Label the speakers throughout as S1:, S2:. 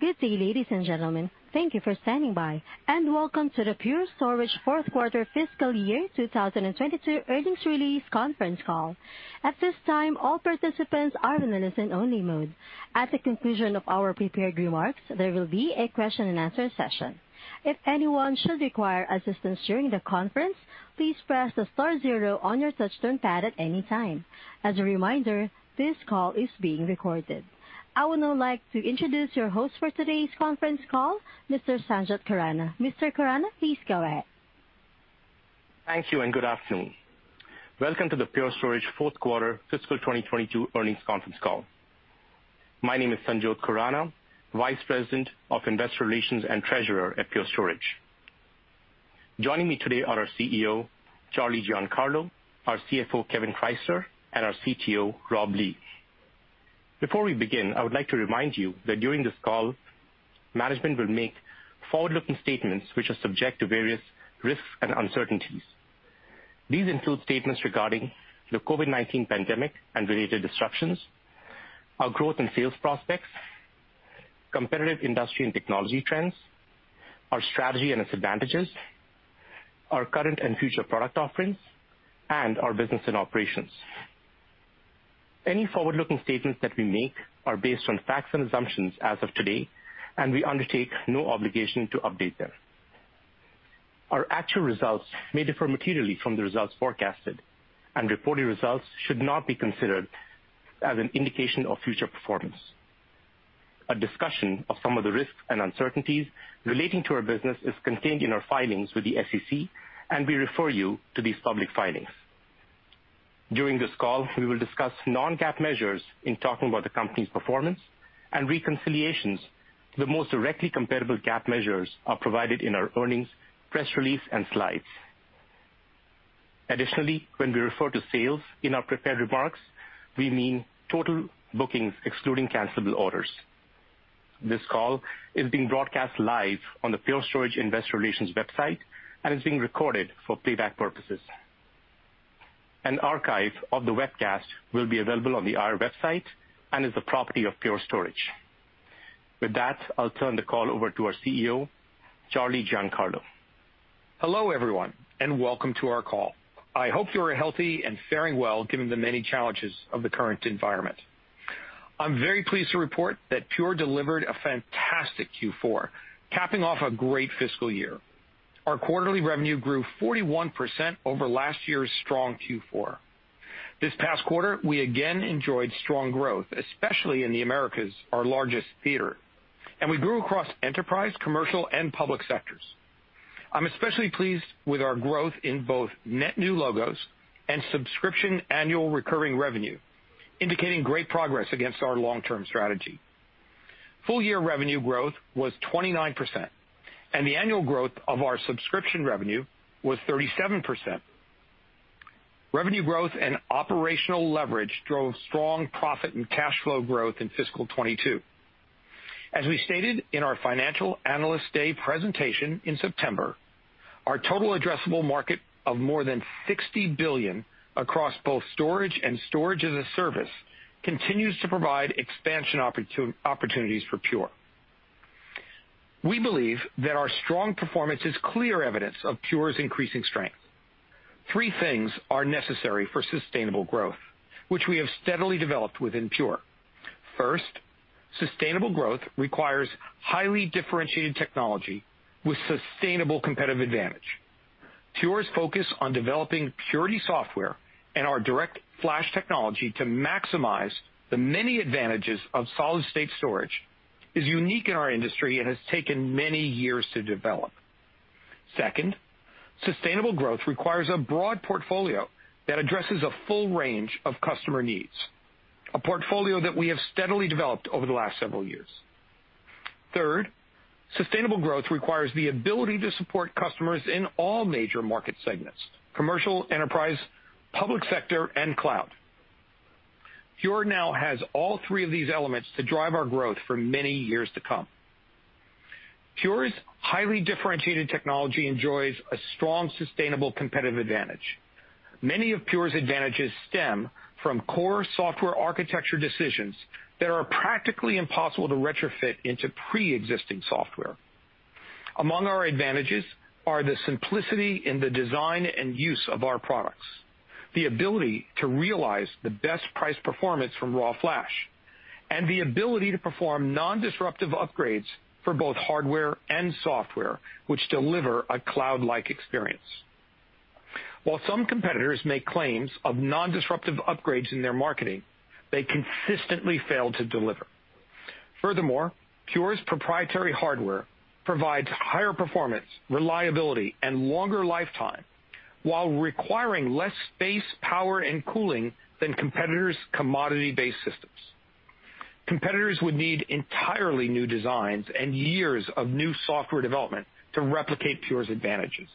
S1: Good day, ladies and gentlemen. Thank you for standing by, and welcome to the Pure Storage Q4 Fiscal Year 2022 Earnings Release Conference Call. At this time, all participants are in a listen-only mode. At the conclusion of our prepared remarks, there will be a question-and-answer session. If anyone should require assistance during the conference, please press the star zero on your touchtone pad at any time. As a reminder, this call is being recorded. I would now like to introduce your host for today's conference call, Mr. Sanjot Khurana. Mr. Khurana, please go ahead.
S2: Thank you and good afternoon. Welcome to the Pure Storage Q4 Fiscal 2022 Earnings Conference Call. My name is Sanjot Khurana, Vice President of Investor Relations and Treasurer at Pure Storage. Joining me today are our CEO, Charlie Giancarlo, our CFO, Kevan Krysler, and our CTO, Rob Lee. Before we begin, I would like to remind you that during this call, management will make forward-looking statements which are subject to various risks and uncertainties. These include statements regarding the COVID-19 pandemic and related disruptions, our growth and sales prospects, competitive industry and technology trends, our strategy and its advantages, our current and future product offerings, and our business and operations. Any forward-looking statements that we make are based on facts and assumptions as of today, and we undertake no obligation to update them. Our actual results may differ materially from the results forecasted, and reported results should not be considered as an indication of future performance. A discussion of some of the risks and uncertainties relating to our business is contained in our filings with the SEC, and we refer you to these public filings. During this call, we will discuss non-GAAP measures in talking about the company's performance and reconciliations to the most directly comparable GAAP measures are provided in our earnings press release and slides. Additionally, when we refer to sales in our prepared remarks, we mean total bookings excluding cancelable orders. This call is being broadcast live on the Pure Storage investor relations website and is being recorded for playback purposes. An archive of the webcast will be available on the IR website and is the property of Pure Storage. With that, I'll turn the call over to our CEO, Charlie Giancarlo.
S3: Hello, everyone, and welcome to our call. I hope you are healthy and faring well given the many challenges of the current environment. I'm very pleased to report that Pure delivered a fantastic Q4, capping off a great fiscal year. Our quarterly revenue grew 41% over last year's strong Q4. This past quarter, we again enjoyed strong growth, especially in the Americas, our largest theater, and we grew across enterprise, commercial, and public sectors. I'm especially pleased with our growth in both net new logos and subscription annual recurring revenue, indicating great progress against our long-term strategy. Full year revenue growth was 29%, and the annual growth of our subscription revenue was 37%. Revenue growth and operational leverage drove strong profit and cash flow growth in fiscal 2022. As we stated in our Financial Analyst Day presentation in September, our total addressable market of more than $60 billion across both storage and storage as a service continues to provide expansion opportunities for Pure. We believe that our strong performance is clear evidence of Pure's increasing strength. Three things are necessary for sustainable growth, which we have steadily developed within Pure. First, sustainable growth requires highly differentiated technology with sustainable competitive advantage. Pure's focus on developing Purity software and our DirectFlash technology to maximize the many advantages of solid-state storage is unique in our industry and has taken many years to develop. Second, sustainable growth requires a broad portfolio that addresses a full range of customer needs, a portfolio that we have steadily developed over the last several years. Third, sustainable growth requires the ability to support customers in all major market segments, commercial, enterprise, public sector, and cloud. Pure now has all three of these elements to drive our growth for many years to come. Pure's highly differentiated technology enjoys a strong, sustainable competitive advantage. Many of Pure's advantages stem from core software architecture decisions that are practically impossible to retrofit into pre-existing software. Among our advantages are the simplicity in the design and use of our products, the ability to realize the best price performance from raw flash, and the ability to perform non-disruptive upgrades for both hardware and software, which deliver a cloud-like experience. While some competitors make claims of non-disruptive upgrades in their marketing, they consistently fail to deliver. Furthermore, Pure's proprietary hardware provides higher performance, reliability, and longer lifetime while requiring less space, power, and cooling than competitors' commodity-based systems. Competitors would need entirely new designs and years of new software development to replicate Pure's advantages.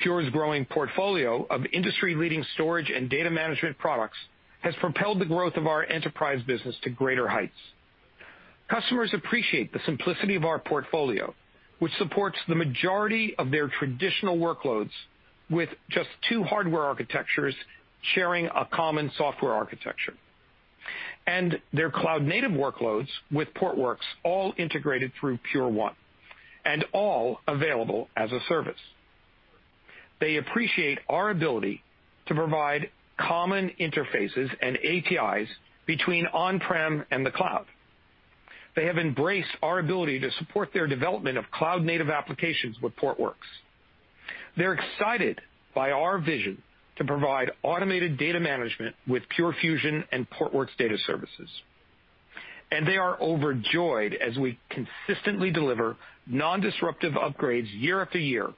S3: Pure's growing portfolio of industry-leading storage and data management products has propelled the growth of our enterprise business to greater heights. Customers appreciate the simplicity of our portfolio, which supports the majority of their traditional workloads with just two hardware architectures sharing a common software architecture. Their cloud-native workloads with Portworx all integrated through Pure1 and all available as a service. They appreciate our ability to provide common interfaces and APIs between on-prem and the cloud. They have embraced our ability to support their development of cloud-native applications with Portworx. They're excited by our vision to provide automated data management with Pure Fusion and Portworx Data Services. They are overjoyed as we consistently deliver non-disruptive upgrades year after year,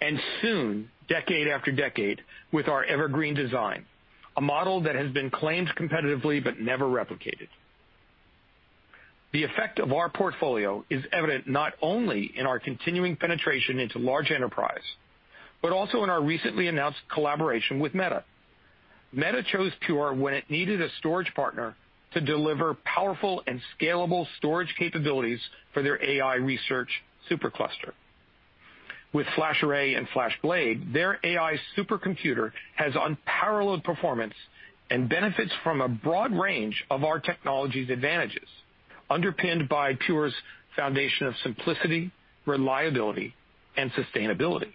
S3: and soon decade after decade, with our Evergreen design, a model that has been claimed competitively but never replicated. The effect of our portfolio is evident not only in our continuing penetration into large enterprise, but also in our recently announced collaboration with Meta. Meta chose Pure when it needed a storage partner to deliver powerful and scalable storage capabilities for their AI research supercluster. With FlashArray and FlashBlade, their AI supercomputer has unparalleled performance and benefits from a broad range of our technology's advantages, underpinned by Pure's foundation of simplicity, reliability, and sustainability.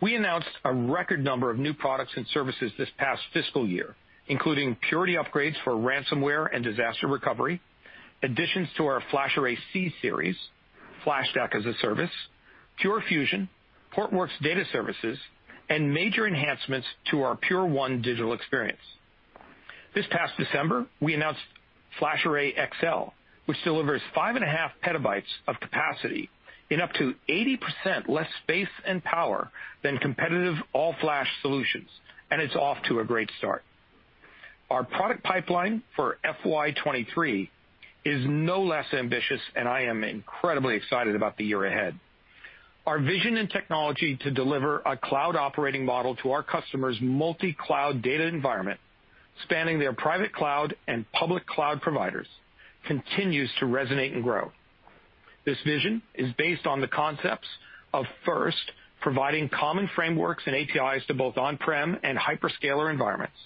S3: We announced a record number of new products and services this past fiscal year, including Purity upgrades for ransomware and disaster recovery, additions to our FlashArray//C series, FlashStack as a service, Pure Fusion, Portworx Data Services, and major enhancements to our Pure1 digital experience. This past December, we announced FlashArray//XL, which delivers 5.5 petabytes of capacity in up to 80% less space and power than competitive all-flash solutions, and it's off to a great start. Our product pipeline for FY 2023 is no less ambitious, and I am incredibly excited about the year ahead. Our vision and technology to deliver a cloud operating model to our customers' multi-cloud data environment, spanning their private cloud and public cloud providers, continues to resonate and grow. This vision is based on the concepts of, first, providing common frameworks and APIs to both on-prem and hyperscaler environments.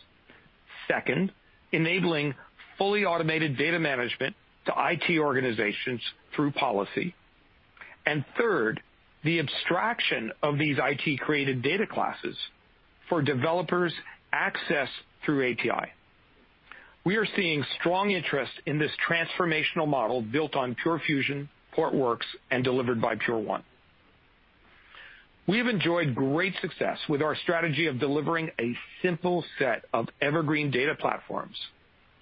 S3: Second, enabling fully automated data management to IT organizations through policy. Third, the abstraction of these IT-created data classes for developers' access through API. We are seeing strong interest in this transformational model built on Pure Fusion, Portworx, and delivered by Pure1. We have enjoyed great success with our strategy of delivering a simple set of Evergreen data platforms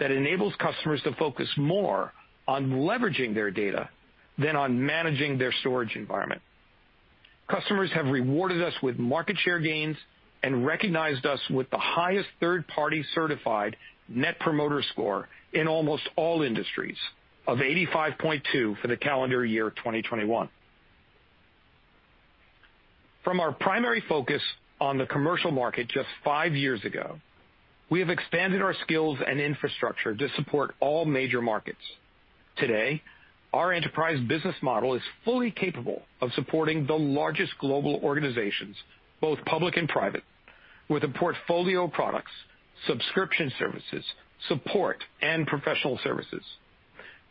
S3: that enables customers to focus more on leveraging their data than on managing their storage environment. Customers have rewarded us with market share gains and recognized us with the highest third-party certified net promoter score in almost all industries of 85.2 for the calendar year 2021. From our primary focus on the commercial market just five years ago, we have expanded our skills and infrastructure to support all major markets. Today, our enterprise business model is fully capable of supporting the largest global organizations, both public and private, with a portfolio of products, subscription services, support, and professional services.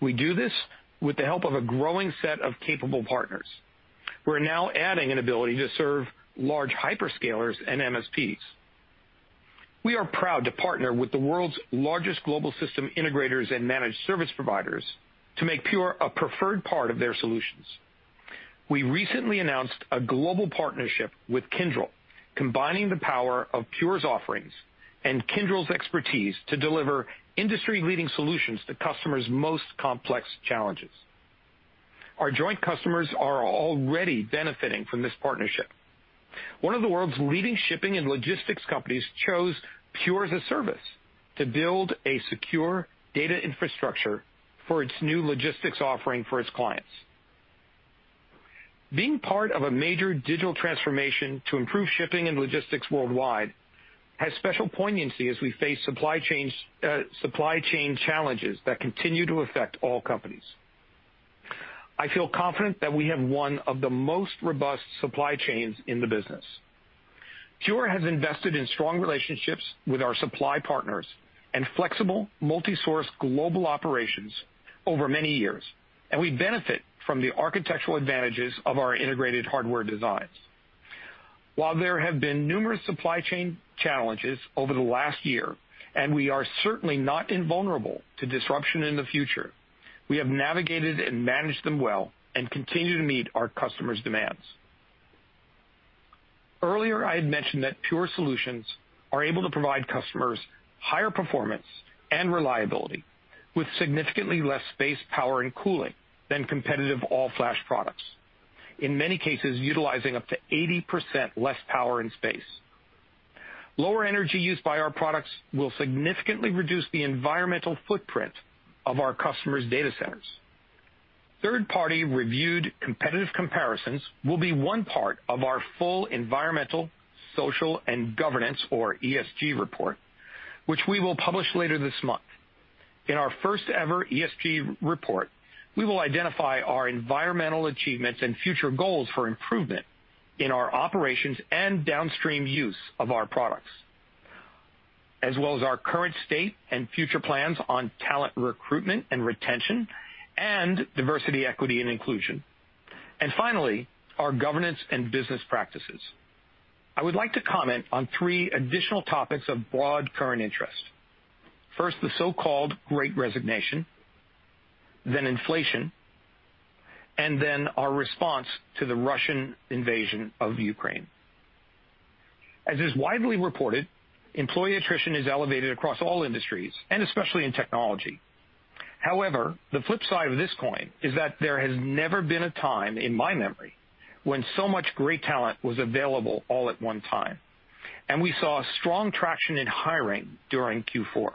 S3: We do this with the help of a growing set of capable partners. We're now adding an ability to serve large hyperscalers and MSPs. We are proud to partner with the world's largest global system integrators and managed service providers to make Pure a preferred part of their solutions. We recently announced a global partnership with Kyndryl, combining the power of Pure's offerings and Kyndryl's expertise to deliver industry-leading solutions to customers' most complex challenges. Our joint customers are already benefiting from this partnership. One of the world's leading shipping and logistics companies chose Pure as-a-Service to build a secure data infrastructure for its new logistics offering for its clients. Being part of a major digital transformation to improve shipping and logistics worldwide has special poignancy as we face supply chains, supply chain challenges that continue to affect all companies. I feel confident that we have one of the most robust supply chains in the business. Pure has invested in strong relationships with our supply partners and flexible multi-source global operations over many years, and we benefit from the architectural advantages of our integrated hardware designs. While there have been numerous supply chain challenges over the last year, and we are certainly not invulnerable to disruption in the future, we have navigated and managed them well and continue to meet our customers' demands. Earlier, I had mentioned that Pure Solutions are able to provide customers higher performance and reliability with significantly less space, power, and cooling than competitive all-flash products. In many cases, utilizing up to 80% less power and space. Lower energy used by our products will significantly reduce the environmental footprint of our customers' data centers. Third-party reviewed competitive comparisons will be one part of our full environmental, social, and governance, or ESG report, which we will publish later this month. In our first ever ESG report, we will identify our environmental achievements and future goals for improvement in our operations and downstream use of our products, as well as our current state and future plans on talent recruitment and retention and diversity, equity, and inclusion, and finally, our governance and business practices. I would like to comment on three additional topics of broad current interest. First, the so-called Great Resignation, then inflation, and then our response to the Russian invasion of Ukraine. As is widely reported, employee attrition is elevated across all industries, and especially in technology. However, the flip side of this coin is that there has never been a time in my memory when so much great talent was available all at one time, and we saw strong traction in hiring during Q4.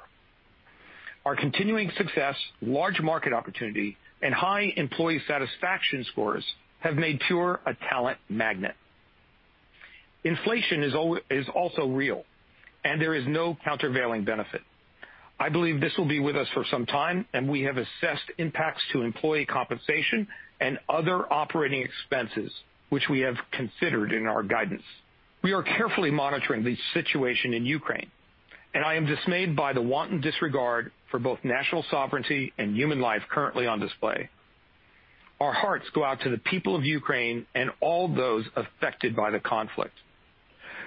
S3: Our continuing success, large market opportunity, and high employee satisfaction scores have made Pure a talent magnet. Inflation is also real, and there is no countervailing benefit. I believe this will be with us for some time, and we have assessed impacts to employee compensation and other operating expenses, which we have considered in our guidance. We are carefully monitoring the situation in Ukraine, and I am dismayed by the wanton disregard for both national sovereignty and human life currently on display. Our hearts go out to the people of Ukraine and all those affected by the conflict.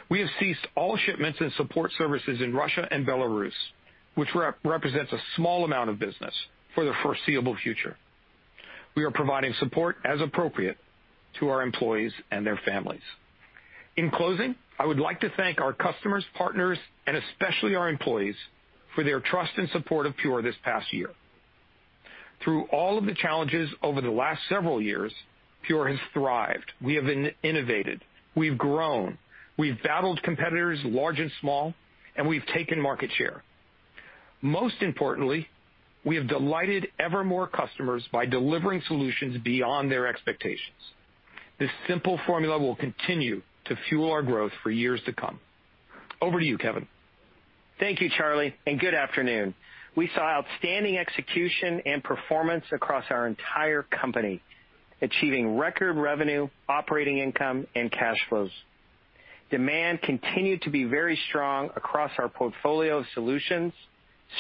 S3: We have ceased all shipments and support services in Russia and Belarus, which represents a small amount of business for the foreseeable future. We are providing support as appropriate to our employees and their families. In closing, I would like to thank our customers, partners and especially our employees for their trust and support of Pure this past year. Through all of the challenges over the last several years, Pure has thrived. We have innovated, we've grown, we've battled competitors large and small, and we've taken market share. Most importantly, we have delighted even more customers by delivering solutions beyond their expectations. This simple formula will continue to fuel our growth for years to come. Over to you, Kevan.
S4: Thank you, Charlie, and good afternoon. We saw outstanding execution and performance across our entire company, achieving record revenue, operating income, and cash flows. Demand continued to be very strong across our portfolio of solutions,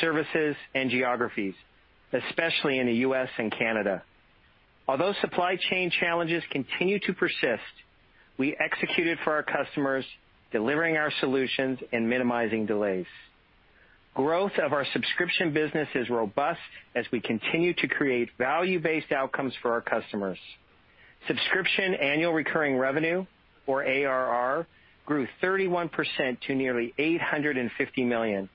S4: services and geographies, especially in the U.S. and Canada. Although supply chain challenges continue to persist, we executed for our customers, delivering our solutions and minimizing delays. Growth of our subscription business is robust as we continue to create value-based outcomes for our customers. Subscription annual recurring revenue, or ARR, grew 31% to nearly $850 million.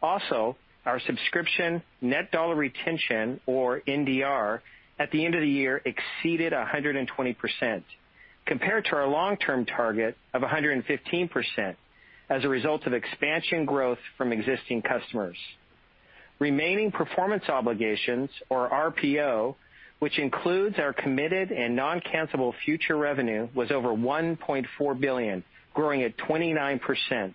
S4: Also, our subscription net dollar retention, or NDR, at the end of the year exceeded 120% compared to our long-term target of 115% as a result of expansion growth from existing customers. Remaining performance obligations, or RPO, which includes our committed and non-cancelable future revenue, was over $1.4 billion, growing at 29%.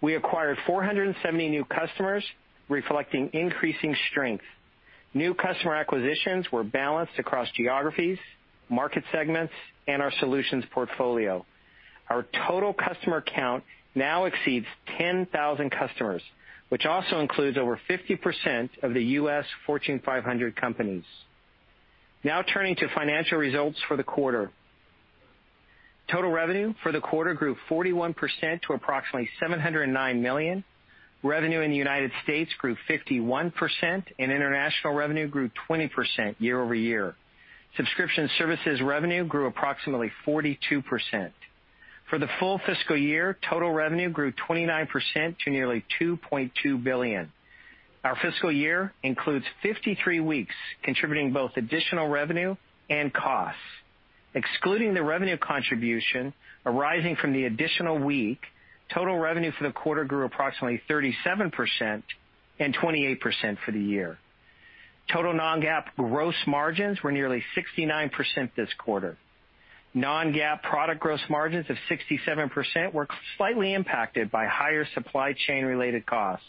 S4: We acquired 470 new customers, reflecting increasing strength. New customer acquisitions were balanced across geographies, market segments, and our solutions portfolio. Our total customer count now exceeds 10,000 customers, which also includes over 50% of the U.S. Fortune 500 companies. Now turning to financial results for the quarter. Total revenue for the quarter grew 41% to approximately $709 million. Revenue in the United States grew 51%, and international revenue grew 20% year-over-year. Subscription services revenue grew approximately 42%. For the full fiscal year, total revenue grew 29% to nearly $2.2 billion. Our fiscal year includes 53 weeks, contributing both additional revenue and costs. Excluding the revenue contribution arising from the additional week, total revenue for the quarter grew approximately 37% and 28% for the year. Total non-GAAP gross margins were nearly 69% this quarter. Non-GAAP product gross margins of 67% were slightly impacted by higher supply chain related costs.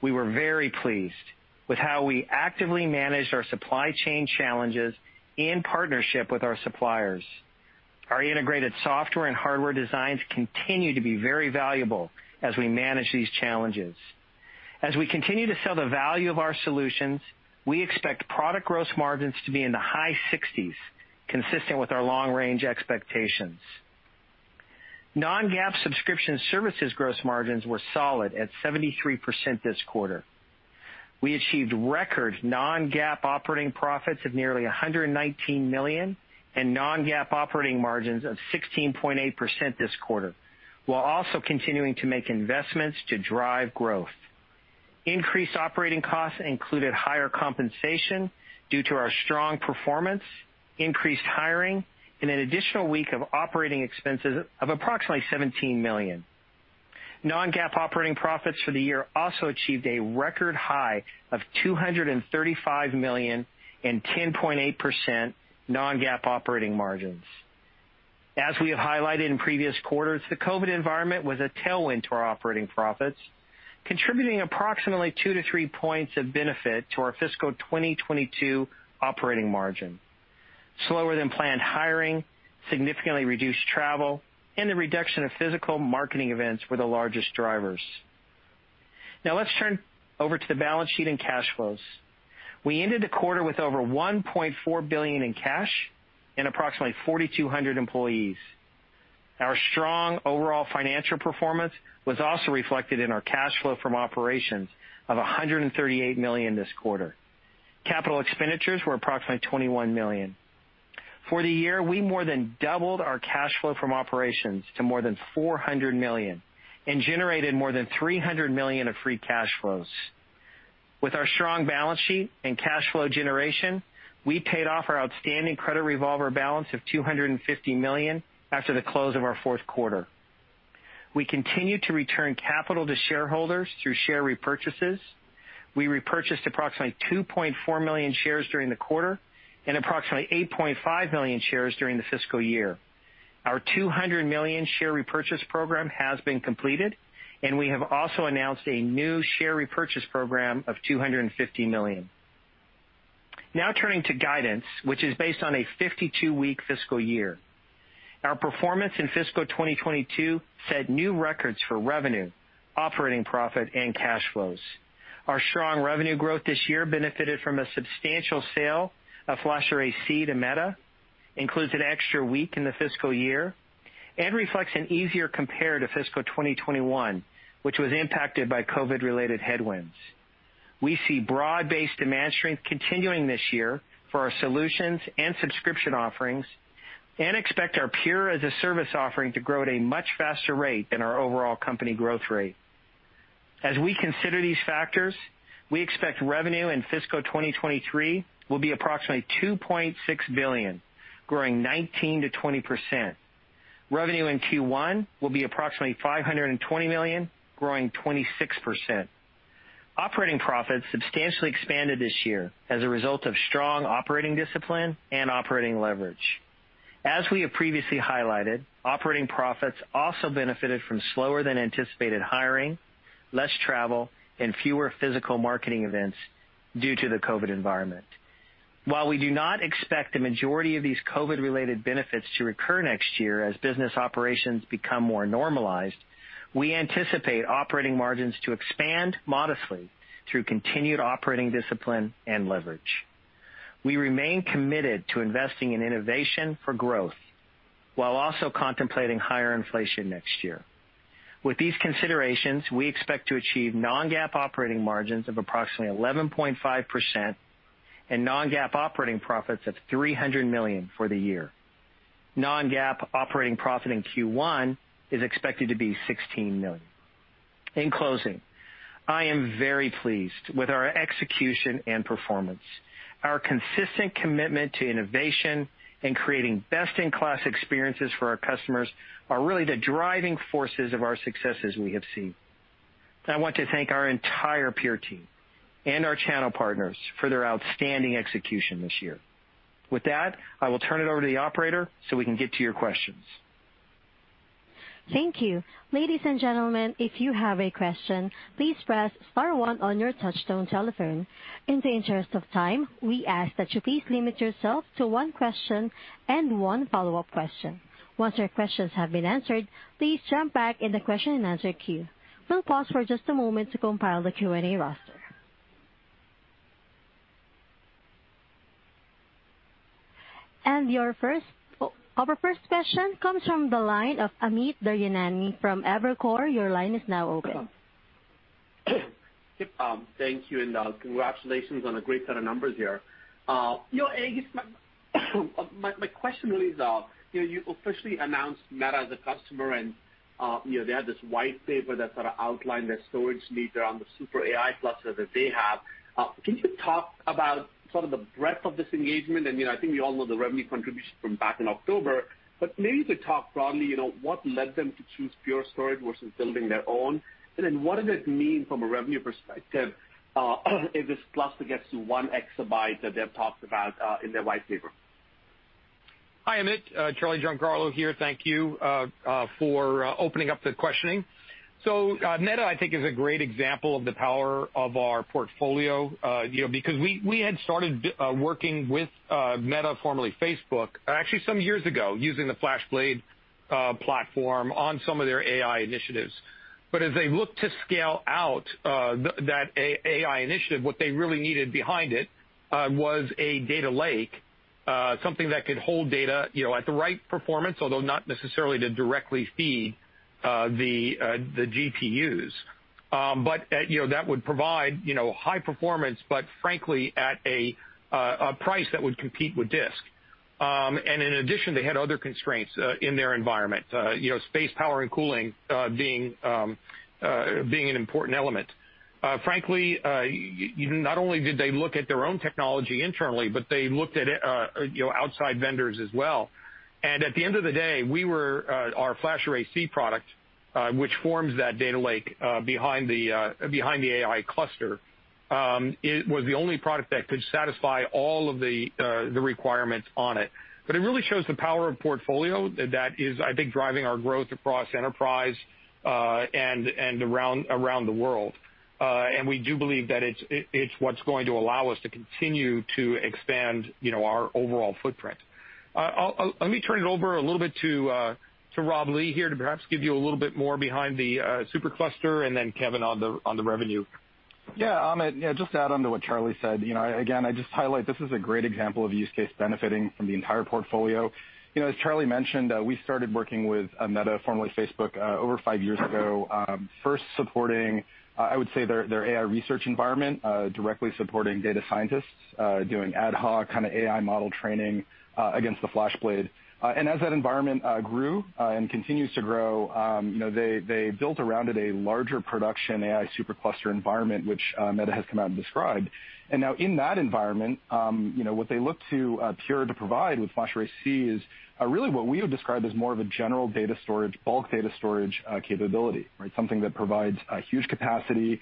S4: We were very pleased with how we actively managed our supply chain challenges in partnership with our suppliers. Our integrated software and hardware designs continue to be very valuable as we manage these challenges. As we continue to sell the value of our solutions, we expect product gross margins to be in the high sixties, consistent with our long-range expectations. Non-GAAP subscription services gross margins were solid at 73% this quarter. We achieved record non-GAAP operating profits of nearly $119 million, and non-GAAP operating margins of 16.8% this quarter, while also continuing to make investments to drive growth. Increased operating costs included higher compensation due to our strong performance, increased hiring and an additional week of operating expenses of approximately $17 million. Non-GAAP operating profits for the year also achieved a record high of $235 million and 10.8% non-GAAP operating margins. As we have highlighted in previous quarters, the COVID-19 environment was a tailwind to our operating profits, contributing approximately two-three points of benefit to our fiscal 2022 operating margin. Slower than planned hiring, significantly reduced travel, and the reduction of physical marketing events were the largest drivers. Now let's turn over to the balance sheet and cash flows. We ended the quarter with over $1.4 billion in cash and approximately 4,200 employees. Our strong overall financial performance was also reflected in our cash flow from operations of $138 million this quarter. Capital expenditures were approximately $21 million. For the year, we more than doubled our cash flow from operations to more than $400 million and generated more than $300 million of free cash flows. With our strong balance sheet and cash flow generation, we paid off our outstanding credit revolver balance of $250 million after the close of our Q4. We continue to return capital to shareholders through share repurchases. We repurchased approximately 2.4 million shares during the quarter and approximately 8.5 million shares during the fiscal year. Our $200 million share repurchase program has been completed, and we have also announced a new share repurchase program of $250 million. Now turning to guidance, which is based on a 52-week fiscal year. Our performance in fiscal 2022 set new records for revenue, operating profit, and cash flows. Our strong revenue growth this year benefited from a substantial sale of FlashArray//C to Meta. This includes an extra week in the fiscal year and reflects an easier compared to fiscal 2021, which was impacted by COVID-related headwinds. We see broad-based demand strength continuing this year for our solutions and subscription offerings and expect our Pure as-a-Service offering to grow at a much faster rate than our overall company growth rate. As we consider these factors, we expect revenue in fiscal 2023 will be approximately $2.6 billion, growing 19%-20%. Revenue in Q1 will be approximately $520 million, growing 26%. Operating profits substantially expanded this year as a result of strong operating discipline and operating leverage. As we have previously highlighted, operating profits also benefited from slower than anticipated hiring, less travel, and fewer physical marketing events due to the COVID environment. While we do not expect the majority of these COVID-related benefits to recur next year as business operations become more normalized, we anticipate operating margins to expand modestly through continued operating discipline and leverage. We remain committed to investing in innovation for growth while also contemplating higher inflation next year. With these considerations, we expect to achieve non-GAAP operating margins of approximately 11.5% and non-GAAP operating profits of $300 million for the year. Non-GAAP operating profit in Q1 is expected to be $16 million. In closing, I am very pleased with our execution and performance. Our consistent commitment to innovation and creating best-in-class experiences for our customers are really the driving forces of our successes we have seen. I want to thank our entire Pure team and our channel partners for their outstanding execution this year. With that, I will turn it over to the operator so we can get to your questions.
S1: Thank you. Ladies and gentlemen, if you have a question, please press star one on your touchtone telephone. In the interest of time, we ask that you please limit yourself to one question and one follow-up question. Once your questions have been answered, please jump back in the question-and-answer queue. We'll pause for just a moment to compile the Q&A roster. Our first question comes from the line of Amit Daryanani from Evercore. Your line is now open.
S5: Thank you, and congratulations on a great set of numbers here. You know, I guess, my question really is, you officially announced Meta as a customer and, you know, they had this white paper that sort of outlined their storage needs around the super AI cluster that they have. Can you talk about sort of the breadth of this engagement? You know, I think we all know the revenue contribution from back in October, but maybe to talk broadly, you know, what led them to choose Pure Storage versus building their own? What does it mean from a revenue perspective, if this cluster gets to 1 exabyte that they've talked about, in their white paper?
S3: Hi, Amit. Charlie Giancarlo here. Thank you for opening up the questioning. Meta, I think, is a great example of the power of our portfolio, you know, because we had started working with Meta, formerly Facebook, actually some years ago, using the FlashBlade platform on some of their AI initiatives. As they look to scale out that AI initiative, what they really needed behind it was a data lake, something that could hold data, you know, at the right performance, although not necessarily to directly feed the GPUs. You know, that would provide, you know, high performance, but frankly, at a price that would compete with disk. In addition, they had other constraints in their environment, you know, space, power, and cooling being an important element. Frankly, not only did they look at their own technology internally, but they looked at, you know, outside vendors as well. At the end of the day, we were our FlashArray//C product. Which forms that data lake behind the AI cluster. It was the only product that could satisfy all of the requirements on it. It really shows the power of portfolio that is, I think, driving our growth across enterprise and around the world. We do believe that it's what's going to allow us to continue to expand, you know, our overall footprint. Let me turn it over a little bit to Rob Lee here to perhaps give you a little bit more behind the supercluster, and then Kevan Krysler on the revenue.
S6: Yeah, Amit, yeah, just to add on to what Charlie said. You know, again, I just highlight this is a great example of use case benefiting from the entire portfolio. You know, as Charlie mentioned, we started working with Meta, formerly Facebook, over five years ago, first supporting, I would say their AI research environment, directly supporting data scientists, doing ad hoc kinda AI model training, against the FlashBlade. And as that environment grew and continues to grow, you know, they built around it a larger production AI supercluster environment, which Meta has come out and described. And now in that environment, you know, what they look to Pure to provide with FlashArray//C is really what we would describe as more of a general data storage, bulk data storage capability, right? Something that provides huge capacity,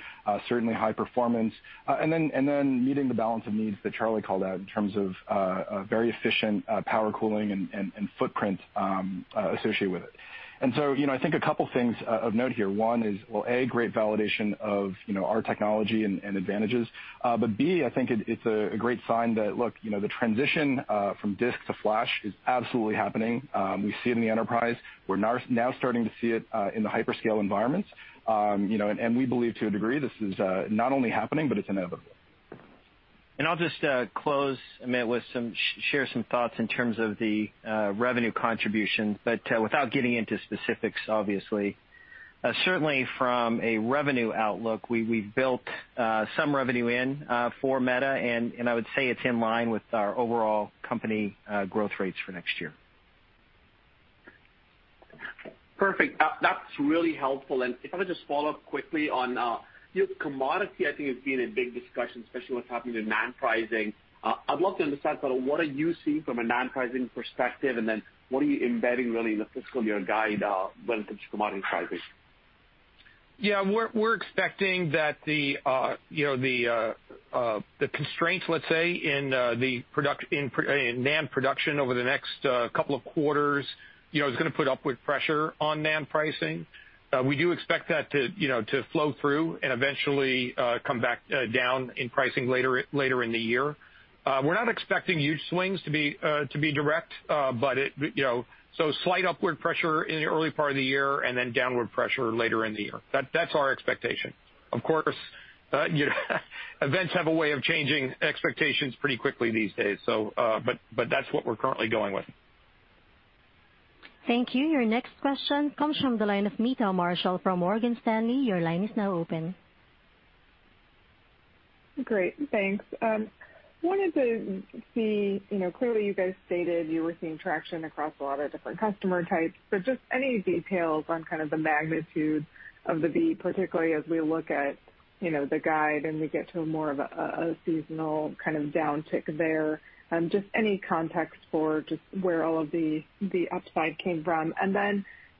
S6: certainly high performance, and then meeting the balance of needs that Charlie called out in terms of very efficient power cooling and footprint associated with it. I think a couple things of note here. One is, well, A, great validation of you know our technology and advantages. But B, I think it's a great sign that, look, you know, the transition from disk to Flash is absolutely happening. We see it in the enterprise. We're now starting to see it in the hyperscale environments. You know, we believe to a degree this is not only happening, but it's inevitable.
S4: I'll just close, Amit, with some share some thoughts in terms of the revenue contribution, but without getting into specifics, obviously. Certainly, from a revenue outlook, we've built some revenue in for Meta, and I would say it's in line with our overall company growth rates for next year.
S5: Perfect. That's really helpful. If I could just follow up quickly on, you know, commodity I think has been a big discussion, especially what's happening to NAND pricing. I'd love to understand kind of what are you seeing from a NAND pricing perspective, and then what are you embedding really in the fiscal year guide, when it comes to commodity pricing?
S3: Yeah. We're expecting that the constraints, let's say, in NAND production over the next couple of quarters, you know, is gonna put upward pressure on NAND pricing. We do expect that to flow through and eventually come back down in pricing later in the year. We're not expecting huge swings to be direct, but slight upward pressure in the early part of the year and then downward pressure later in the year. That's our expectation. Of course, you know events have a way of changing expectations pretty quickly these days. But that's what we're currently going with.
S1: Thank you. Your next question comes from the line of Meta Marshall from Morgan Stanley. Your line is now open.
S7: Great. Thanks. Wanted to see, you know, clearly you guys stated you were seeing traction across a lot of different customer types, but just any details on kind of the magnitude of the beat, particularly as we look at, you know, the guide and we get to more of a seasonal kind of downtick there. Just any context for just where all of the upside came from.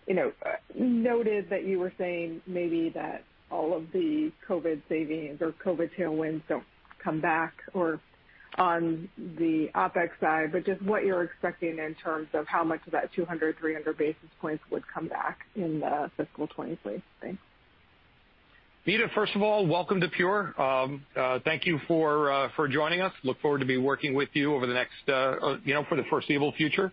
S7: You know, noted that you were saying maybe that all of the COVID savings or COVID tailwinds don't come back or on the OpEx side, but just what you're expecting in terms of how much of that 200, 300 basis points would come back in fiscal 2023. Thanks.
S3: Meta, first of all, welcome to Pure. Thank you for joining us. Look forward to working with you over the next, you know, for the foreseeable future.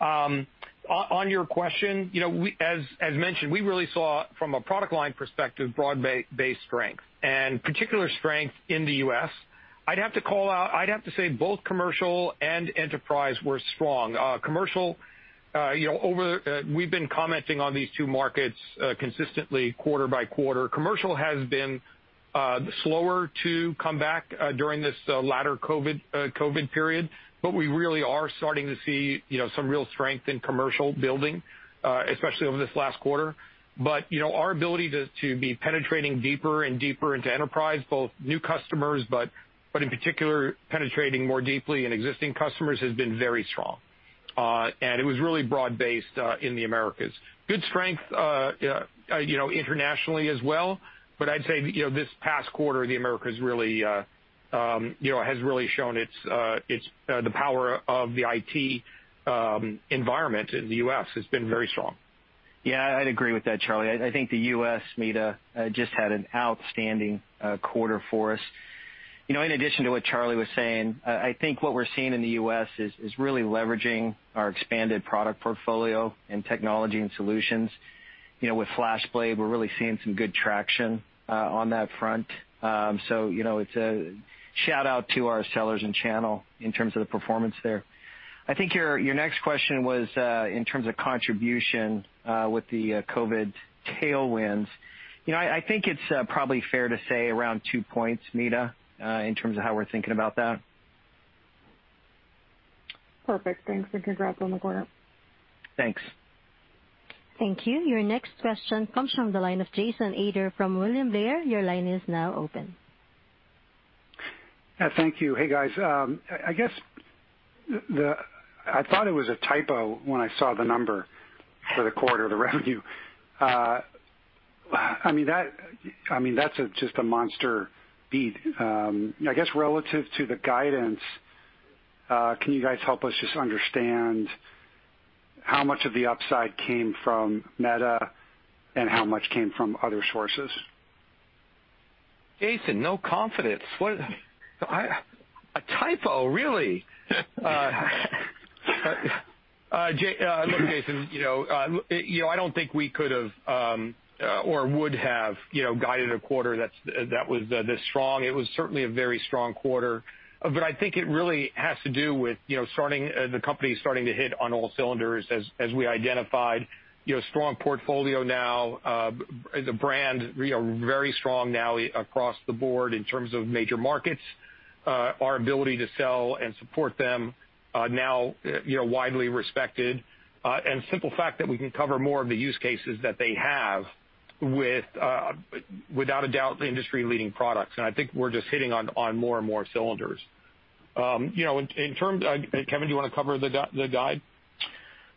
S3: On your question, you know, as mentioned, we really saw from a product line perspective broad-based strength and particular strength in the U.S. I'd have to call out, I'd have to say both commercial and enterprise were strong. Commercial, you know, over, we've been commenting on these two markets consistently quarter by quarter. Commercial has been slower to come back during this latter COVID period. We really are starting to see, you know, some real strength in commercial building, especially over this last quarter. You know, our ability to be penetrating deeper and deeper into enterprise, both new customers, but in particular penetrating more deeply in existing customers has been very strong. It was really broad-based in the Americas. Good strength you know, internationally as well, but I'd say, you know, this past quarter the Americas really has really shown it's the power of the IT environment in the U.S. has been very strong.
S4: Yeah. I'd agree with that, Charlie. I think the U.S., Meta, just had an outstanding quarter for us. You know, in addition to what Charlie was saying, I think what we're seeing in the U.S. is really leveraging our expanded product portfolio in technology and solutions. You know, with FlashBlade, we're really seeing some good traction on that front. So, you know, it's a shout-out to our sellers and channel in terms of the performance there. I think your next question was in terms of contribution with the COVID-19 tailwinds. You know, I think it's probably fair to say around 2 points, Meta, in terms of how we're thinking about that.
S7: Perfect. Thanks, and congrats on the quarter.
S4: Thanks.
S1: Thank you. Your next question comes from the line of Jason Ader from William Blair. Your line is now open.
S8: Thank you. Hey guys. I guess I thought it was a typo when I saw the number for the quarter, the revenue. I mean that's just a monster beat. I guess relative to the guidance, can you guys help us just understand how much of the upside came from Meta and how much came from other sources?
S3: Jason, no confidence. What I a typo, really? Look, Jason, you know, I don't think we could've or would have, you know, guided a quarter that's this strong. It was certainly a very strong quarter. I think it really has to do with the company starting to hit on all cylinders as we identified. You know, strong portfolio now. The brand, you know, very strong now across the board in terms of major markets. Our ability to sell and support them now, you know, widely respected. And the simple fact that we can cover more of the use cases that they have with without a doubt, the industry-leading products. I think we're just hitting on more and more cylinders. You know, in terms...Kevan, do you wanna cover the guide?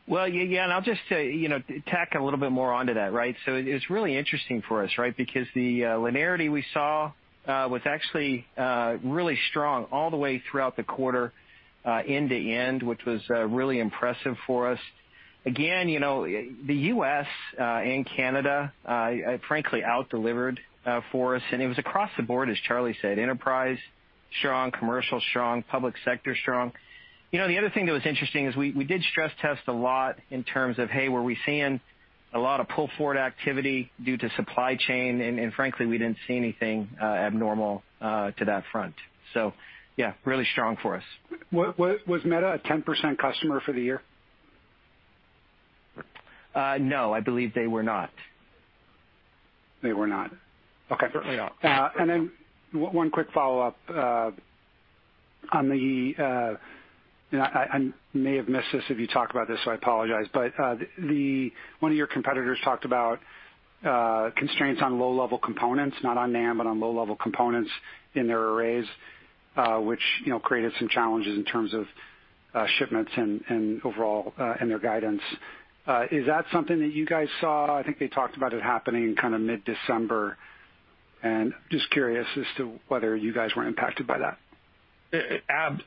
S4: Well, yeah, I'll just say, you know, tack a little bit more onto that, right? It's really interesting for us, right? Because the linearity we saw was actually really strong all the way throughout the quarter end to end, which was really impressive for us. Again, you know, the U.S. and Canada frankly out delivered for us, and it was across the board, as Charlie said, enterprise strong, commercial strong, public sector strong. You know, the other thing that was interesting is we did stress test a lot in terms of, hey, were we seeing a lot of pull-forward activity due to supply chain, and frankly, we didn't see anything abnormal to that front. Yeah, really strong for us.
S8: Was Meta a 10% customer for the year?
S4: No, I believe they were not.
S8: They were not. Okay.
S4: Certainly not.
S8: One quick follow-up on the, and I may have missed this if you talked about this, so I apologize, but one of your competitors talked about constraints on low-level components, not on NAND, but on low-level components in their arrays, which you know created some challenges in terms of shipments and overall and their guidance. Is that something that you guys saw? I think they talked about it happening in kinda mid-December. Just curious as to whether you guys were impacted by that.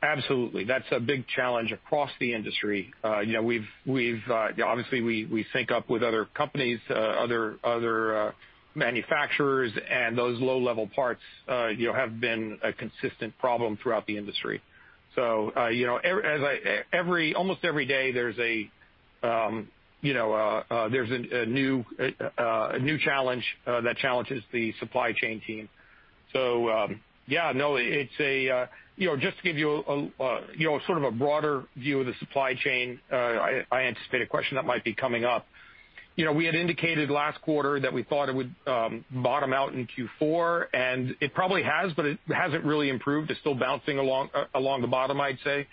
S3: Absolutely. That's a big challenge across the industry. You know, we've obviously sync up with other companies, other manufacturers, and those low-level parts you know have been a consistent problem throughout the industry. Every, almost every day, there's a new challenge that challenges the supply chain team. Yeah, no, it's a. You know, just to give you you know sort of a broader view of the supply chain, I anticipate a question that might be coming up. You know, we had indicated last quarter that we thought it would bottom out in Q4, and it probably has, but it hasn't really improved. It's still bouncing along the bottom, I'd say.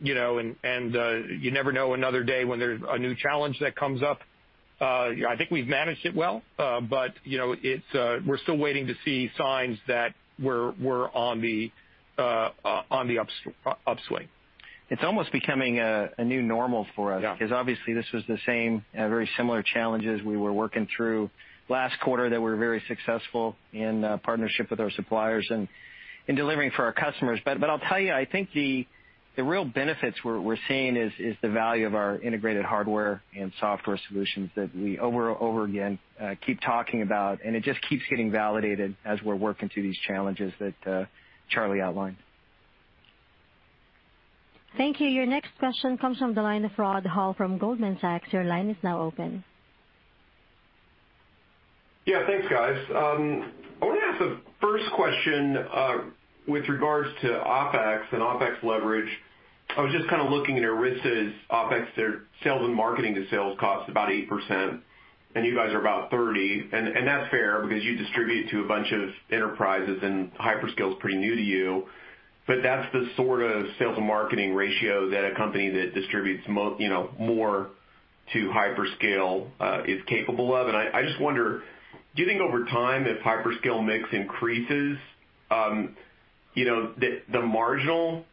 S3: You know, you never know another day when there's a new challenge that comes up. I think we've managed it well, but you know, we're still waiting to see signs that we're on the upswing.
S4: It's almost becoming a new normal for us.
S3: Yeah
S4: 'cause obviously this was the same very similar challenges we were working through last quarter that were very successful in partnership with our suppliers and delivering for our customers. I'll tell you, I think the real benefits we're seeing is the value of our integrated hardware and software solutions that we over again keep talking about, and it just keeps getting validated as we're working through these challenges that Charlie outlined.
S1: Thank you. Your next question comes from the line of Rod Hall from Goldman Sachs. Your line is now open.
S9: Yeah. Thanks, guys. I want to ask the first question with regards to OpEx and OpEx leverage. I was just kind of looking at Arista's OpEx. Their sales and marketing to sales cost about 8%, and you guys are about 30%. That's fair because you distribute to a bunch of enterprises, and hyperscale is pretty new to you. But that's the sort of sales and marketing ratio that a company that distributes more to hyperscale is capable of. I just wonder, do you think over time, as hyperscale mix increases, the marginal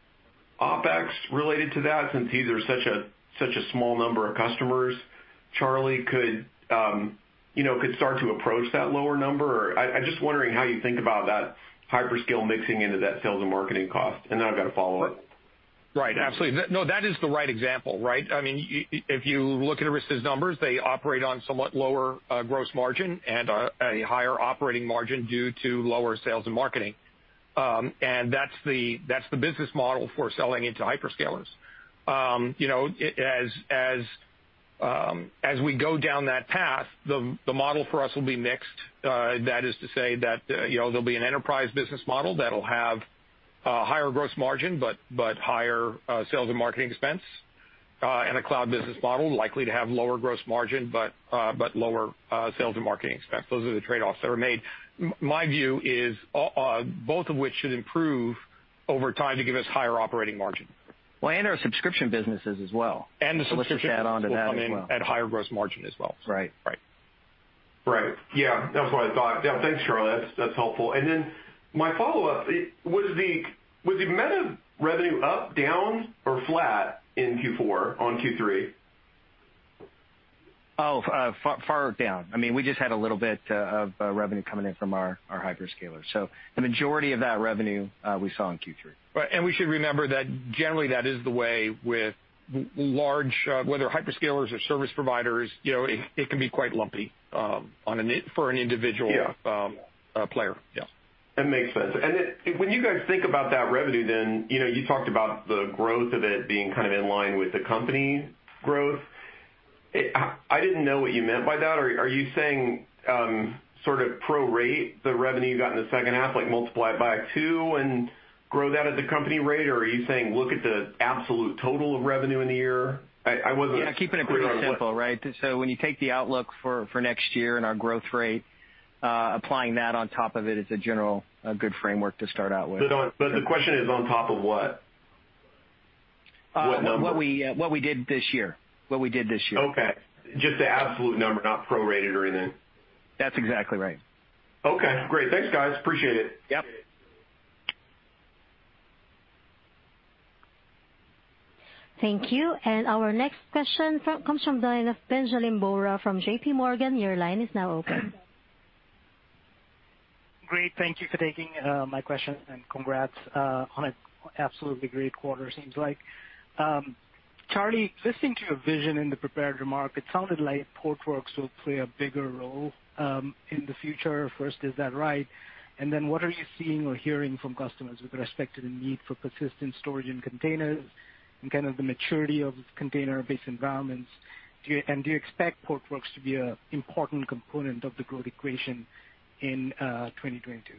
S9: OpEx related to that, since these are such a small number of customers, Charlie, could start to approach that lower number? Or I'm just wondering how you think about that hyperscale mixing into that sales and marketing cost. I've got a follow-up.
S3: Right. Absolutely. No, that is the right example, right? I mean, if you look at Arista's numbers, they operate on somewhat lower gross margin and a higher operating margin due to lower sales and marketing. That's the business model for selling into hyperscalers. You know, as we go down that path, the model for us will be mixed. That is to say that, you know, there'll be an enterprise business model that'll have a higher gross margin but higher sales and marketing expense, and a cloud business model likely to have lower gross margin but lower sales and marketing expense. Those are the trade-offs that are made. My view is both of which should improve over time to give us higher operating margin.
S4: Well, our subscription businesses as well.
S3: The subscription-
S4: Let's just add on to that as well.
S3: will come in at higher gross margin as well.
S4: Right.
S3: Right.
S9: Right. Yeah, that's what I thought. Yeah, thanks, Charlie. That's helpful. My follow-up was the Meta revenue up, down, or flat in Q4 on Q3?
S4: Far down. I mean, we just had a little bit of revenue coming in from our hyperscalers. The majority of that revenue we saw in Q3.
S3: Right. We should remember that generally that is the way with large, whether hyperscalers or service providers, you know, it can be quite lumpy, on an individual-
S4: Yeah.
S3: player. Yeah.
S9: That makes sense. Then when you guys think about that revenue then, you know, you talked about the growth of it being kind of in line with the company growth. I didn't know what you meant by that. Are you saying sort of prorate the revenue you got in the H2, like multiply it by two and grow that at the company rate? Or are you saying look at the absolute total of revenue in the year? I wasn't-
S4: Yeah, keeping it pretty simple, right? When you take the outlook for next year and our growth rate, applying that on top of it is a good framework to start out with.
S9: The question is on top of what? What number?
S4: What we did this year.
S9: Okay. Just the absolute number, not prorated or anything.
S4: That's exactly right.
S9: Okay, great. Thanks, guys. Appreciate it.
S4: Yep.
S1: Thank you. Our next question comes from the line of Pinjalim Bora from JPMorgan, your line is now open.
S10: Great. Thank you for taking my question, and congrats on an absolutely great quarter, seems like. Charlie, listening to your vision in the prepared remarks, it sounded like Portworx will play a bigger role in the future. First, is that right? Then what are you seeing or hearing from customers with respect to the need for persistent storage in containers and kind of the maturity of container-based environments? Do you expect Portworx to be an important component of the growth equation in 2022?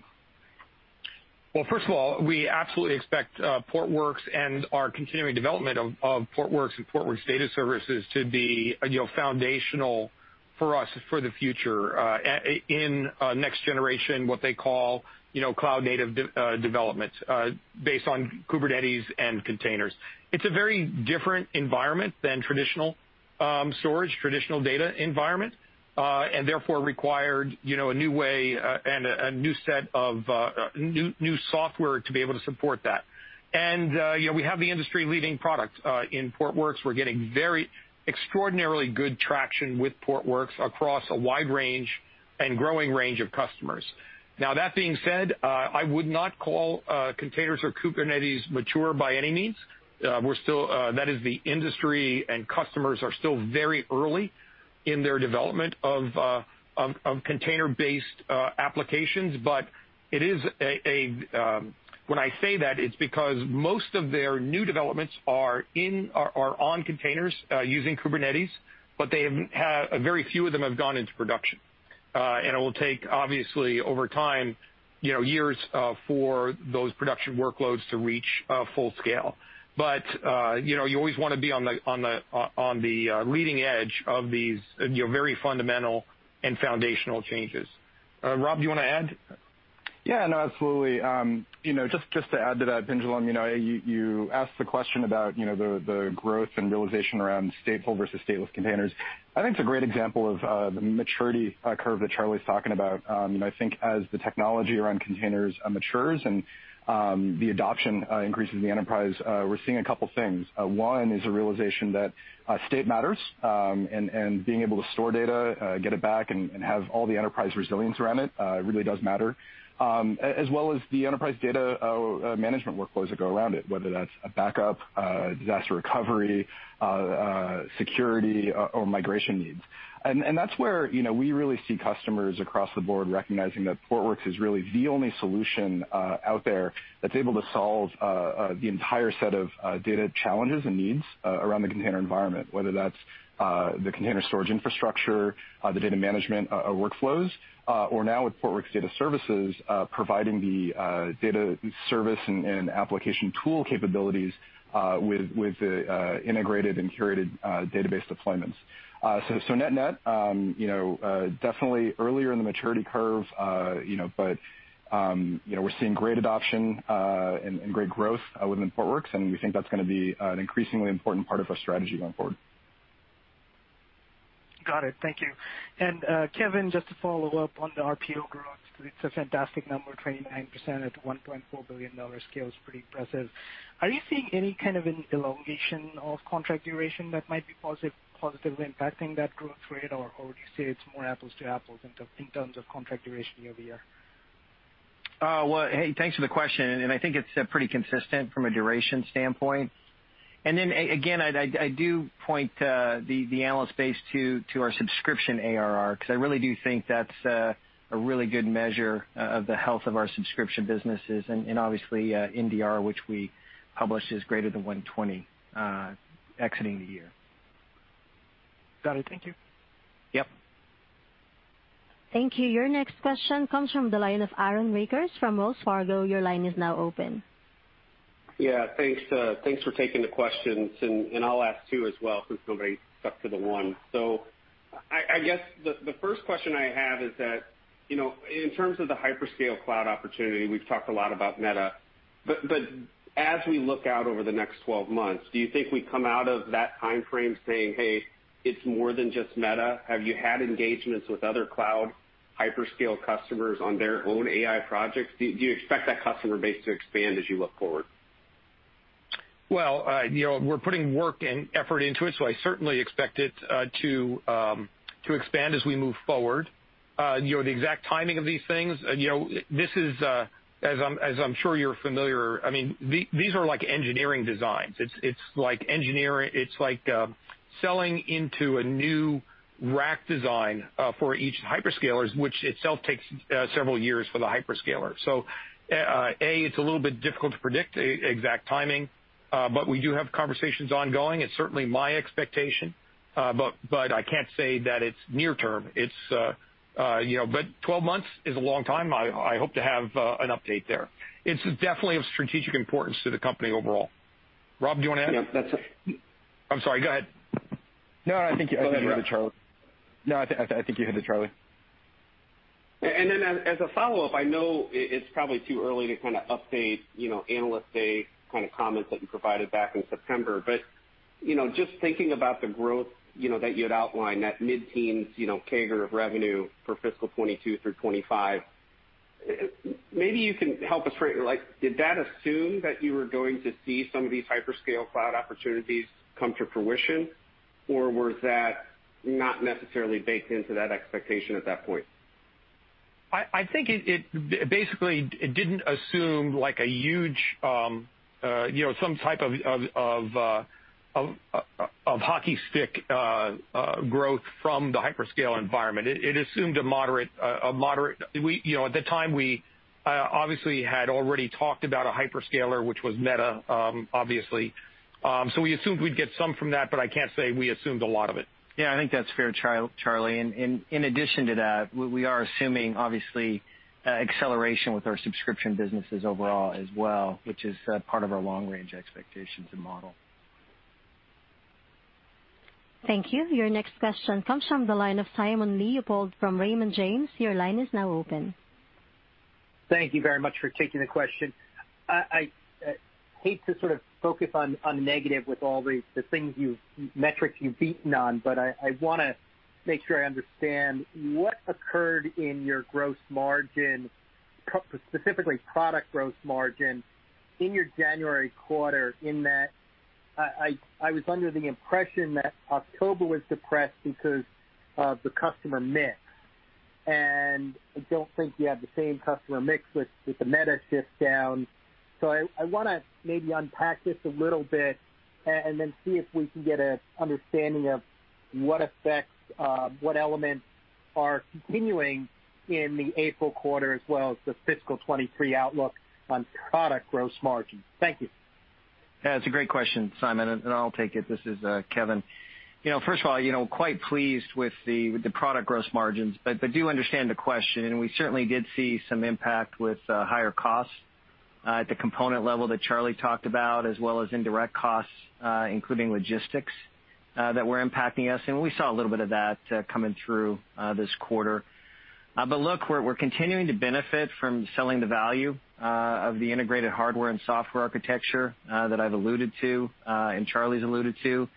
S3: Well, first of all, we absolutely expect Portworx and our continuing development of Portworx and Portworx Data Services to be, you know, foundational for us for the future, in next generation, what they call, you know, cloud native developments based on Kubernetes and containers. It's a very different environment than traditional storage, traditional data environment, and therefore required, you know, a new way and a new set of new software to be able to support that. You know, we have the industry-leading product in Portworx. We're getting very extraordinarily good traction with Portworx across a wide range and growing range of customers. Now that being said, I would not call containers or Kubernetes mature by any means. The industry and customers are still very early in their development of container-based applications. When I say that, it's because most of their new developments are on containers using Kubernetes, but a very few of them have gone into production. It will take obviously over time, you know, years for those production workloads to reach full scale. You know, you always wanna be on the leading edge of these, you know, very fundamental and foundational changes. Rob, do you wanna add?
S6: Yeah, no, absolutely. You know, just to add to that, Pinjalim, you know, you asked the question about, you know, the growth and realization around stateful versus stateless containers. I think it's a great example of the maturity curve that Charlie's talking about. You know, I think as the technology around containers matures and the adoption increases in the enterprise, we're seeing a couple things. One is the realization that state matters and being able to store data, get it back and have all the enterprise resilience around it really does matter. As well as the enterprise data management workflows that go around it, whether that's a backup, disaster recovery, security or migration needs. That's where we really see customers across the board recognizing that Portworx is really the only solution out there that's able to solve the entire set of data challenges and needs around the container environment, whether that's the container storage infrastructure, the data management workflows, or now with Portworx Data Services, providing the data service and application tool capabilities with the integrated and curated database deployments. Net-net, you know, definitely earlier in the maturity curve, you know, but we're seeing great adoption and great growth within Portworx, and we think that's gonna be an increasingly important part of our strategy going forward.
S10: Got it. Thank you. Kevan, just to follow up on the RPO growth, it's a fantastic number, 29% at $1.4 billion scale is pretty impressive. Are you seeing any kind of an elongation of contract duration that might be positively impacting that growth rate, or would you say it's more apples to apples in terms of contract duration year-over-year?
S4: Well, hey, thanks for the question, and I think it's pretty consistent from a duration standpoint. Then again, I'd point the analyst base to our subscription ARR because I really do think that's a really good measure of the health of our subscription businesses, and obviously NDR, which we publish, is greater than 120 exiting the year.
S10: Got it. Thank you.
S4: Yep.
S1: Thank you. Your next question comes from the line of Aaron Rakers from Wells Fargo. Your line is now open.
S11: Yeah. Thanks for taking the questions, and I'll ask two as well since nobody stuck to the one. I guess the first question I have is that you know, in terms of the hyperscale cloud opportunity, we've talked a lot about Meta. But as we look out over the next 12 months, do you think we come out of that time frame saying, "Hey, it's more than just Meta"? Have you had engagements with other cloud hyperscale customers on their own AI projects? Do you expect that customer base to expand as you look forward?
S3: Well, you know, we're putting work and effort into it, so I certainly expect it to expand as we move forward. You know, the exact timing of these things, you know, this is, as I'm sure you're familiar, I mean, these are like engineering designs. It's like selling into a new rack design for each hyperscalers, which itself takes several years for the hyperscaler. So, A, it's a little bit difficult to predict exact timing, but we do have conversations ongoing. It's certainly my expectation. But I can't say that it's near-term. You know, but 12 months is a long time. I hope to have an update there. It's definitely of strategic importance to the company overall. Rob, do you wanna add?
S6: Yeah, that's.
S3: I'm sorry. Go ahead.
S6: No, I think you had it, Charlie. No, I think you hit it, Charlie.
S12: As a follow-up, I know it's probably too early to kinda update, you know, Analyst Day kind of comments that you provided back in September. You know, just thinking about the growth, you know, that you had outlined, that mid-teens, you know, CAGR of revenue for fiscal 2022 through 2025, maybe you can help us frame. Like, did that assume that you were going to see some of these hyperscale cloud opportunities come to fruition, or was that not necessarily baked into that expectation at that point?
S3: I think it basically didn't assume like a huge, you know, some type of hockey stick growth from the hyperscale environment. It assumed a moderate. You know, at the time, we obviously had already talked about a hyperscaler, which was Meta, obviously. We assumed we'd get some from that, but I can't say we assumed a lot of it.
S4: Yeah, I think that's fair, Charlie. In addition to that, we are assuming obviously acceleration with our subscription businesses overall as well, which is part of our long-range expectations and model.
S1: Thank you. Your next question comes from the line of Simon Leopold from Raymond James. Your line is now open.
S13: Thank you very much for taking the question. I hate to sort of focus on negative with all the metrics you've beaten on, but I wanna make sure I understand what occurred in your gross margin, specifically product gross margin, in your January quarter in that I was under the impression that October was depressed because of the customer mix, and I don't think you have the same customer mix with the Meta shift down. I wanna maybe unpack this a little bit and then see if we can get an understanding of what elements are continuing in the April quarter as well as the fiscal 2023 outlook on product gross margin. Thank you.
S4: Yeah, it's a great question, Simon, and I'll take it. This is Kevan. You know, first of all, you know, quite pleased with the product gross margins. I do understand the question, and we certainly did see some impact with higher costs at the component level that Charlie talked about, as well as indirect costs including logistics that were impacting us. We saw a little bit of that coming through this quarter. Look, we're continuing to benefit from selling the value of the integrated hardware and software architecture that I've alluded to and Charlie's alluded to.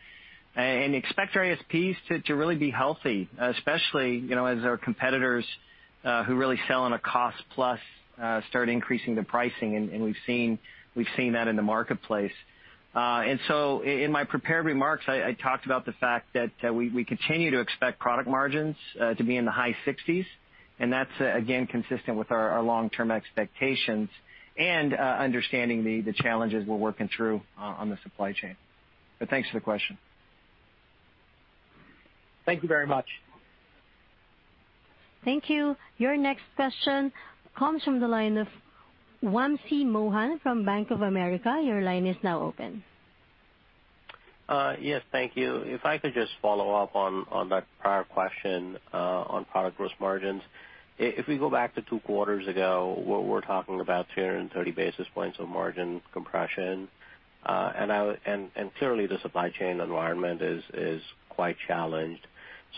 S4: Expect our ASP to really be healthy, especially, you know, as our competitors who really sell on a cost-plus start increasing the pricing, and we've seen that in the marketplace. In my prepared remarks, I talked about the fact that we continue to expect product margins to be in the high 60s%, and that's again consistent with our long-term expectations and understanding the challenges we're working through on the supply chain. Thanks for the question.
S13: Thank you very much.
S1: Thank you. Your next question comes from the line of Wamsi Mohan from Bank of America. Your line is now open.
S14: Yes. Thank you. If I could just follow up on that prior question on product gross margins. If we go back to two quarters ago, where we're talking about 230 basis points of margin compression, and clearly the supply chain environment is quite challenged.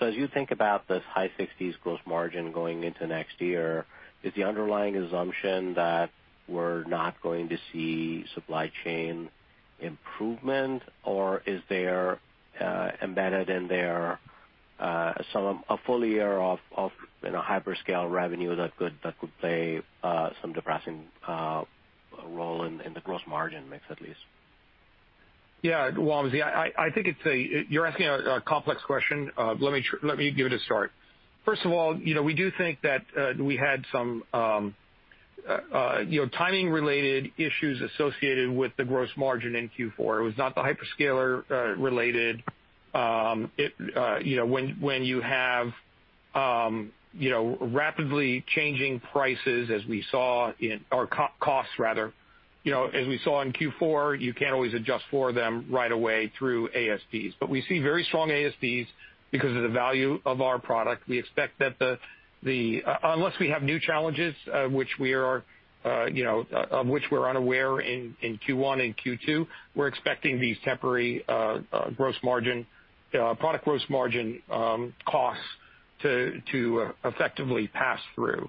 S14: As you think about this high 60s gross margin going into next year, is the underlying assumption that we're not going to see supply chain improvement, or is there embedded in there a full year of, you know, hyperscale revenue that could play some depressing role in the gross margin mix at least?
S3: Yeah, Wamsi, I think you're asking a complex question. Let me give it a start. First of all, you know, we do think that we had some, you know, timing-related issues associated with the gross margin in Q4. It was not the hyperscaler-related. You know, when you have rapidly changing prices, or costs rather, you know, as we saw in Q4, you can't always adjust for them right away through ASP. But we see very strong ASP because of the value of our product. We expect that unless we have new challenges, of which we're unaware in Q1 and Q2, we're expecting these temporary product gross margin costs to effectively pass through.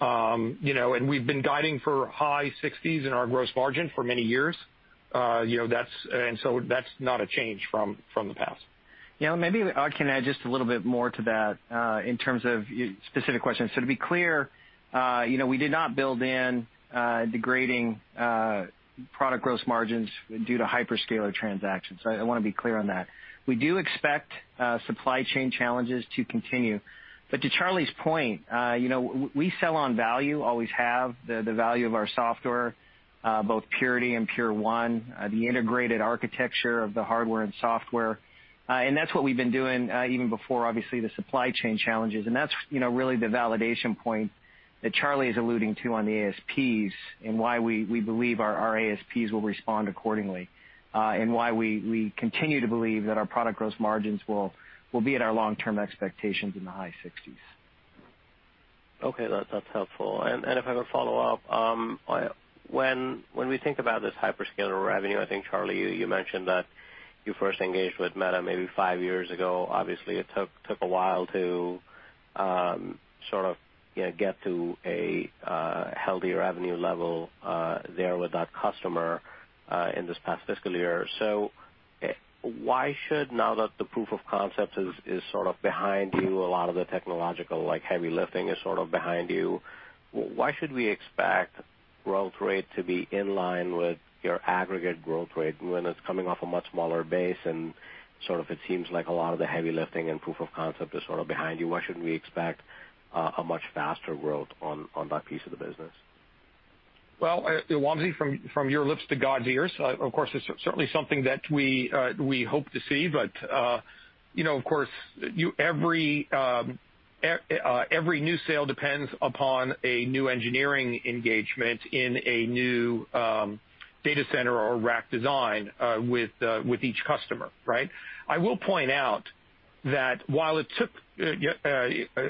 S3: You know, we've been guiding for high 60s% in our gross margin for many years. You know, that's not a change from the past.
S4: Yeah, maybe I can add just a little bit more to that, in terms of specific questions. To be clear, you know, we did not build in degrading product gross margins due to hyperscaler transactions. I wanna be clear on that. We do expect supply chain challenges to continue. To Charlie's point, you know, we sell on value, always have. The value of our software, both Purity and Pure1, the integrated architecture of the hardware and software, and that's what we've been doing, even before obviously the supply chain challenges. That's, you know, really the validation point that Charlie is alluding to on the ASP and why we believe our ASP will respond accordingly, and why we continue to believe that our product gross margins will be at our long-term expectations in the high 60s%.
S14: Okay. That's helpful. If I have a follow-up, when we think about this hyperscaler revenue, I think, Charlie, you mentioned that you first engaged with Meta maybe five years ago. Obviously, it took a while to sort of, you know, get to a healthier revenue level there with that customer in this past fiscal year. Why should now that the proof of concept is sort of behind you, a lot of the technological like heavy lifting is sort of behind you, why should we expect growth rate to be in line with your aggregate growth rate when it's coming off a much smaller base and sort of it seems like a lot of the heavy lifting and proof of concept is sort of behind you? Why shouldn't we expect a much faster growth on that piece of the business?
S3: Well, Wamsi, from your lips to God's ears. Of course, it's certainly something that we hope to see. You know, of course, every new sale depends upon a new engineering engagement in a new data center or rack design with each customer, right? I will point out that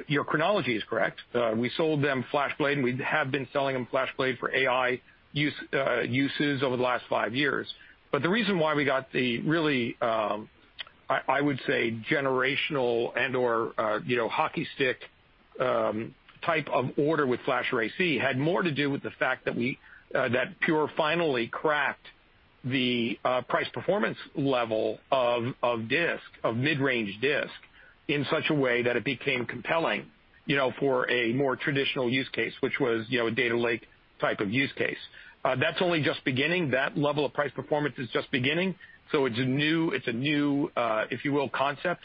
S3: your chronology is correct, we sold them FlashBlade, and we have been selling them FlashBlade for AI uses over the last five years. The reason why we got the really, I would say generational and/or, you know, hockey stick type of order with FlashArray//C had more to do with the fact that we, that Pure finally cracked the price performance level of mid-range disk in such a way that it became compelling, you know, for a more traditional use case, which was, you know, a data lake type of use case. That's only just beginning. That level of price performance is just beginning. It's a new, if you will, concept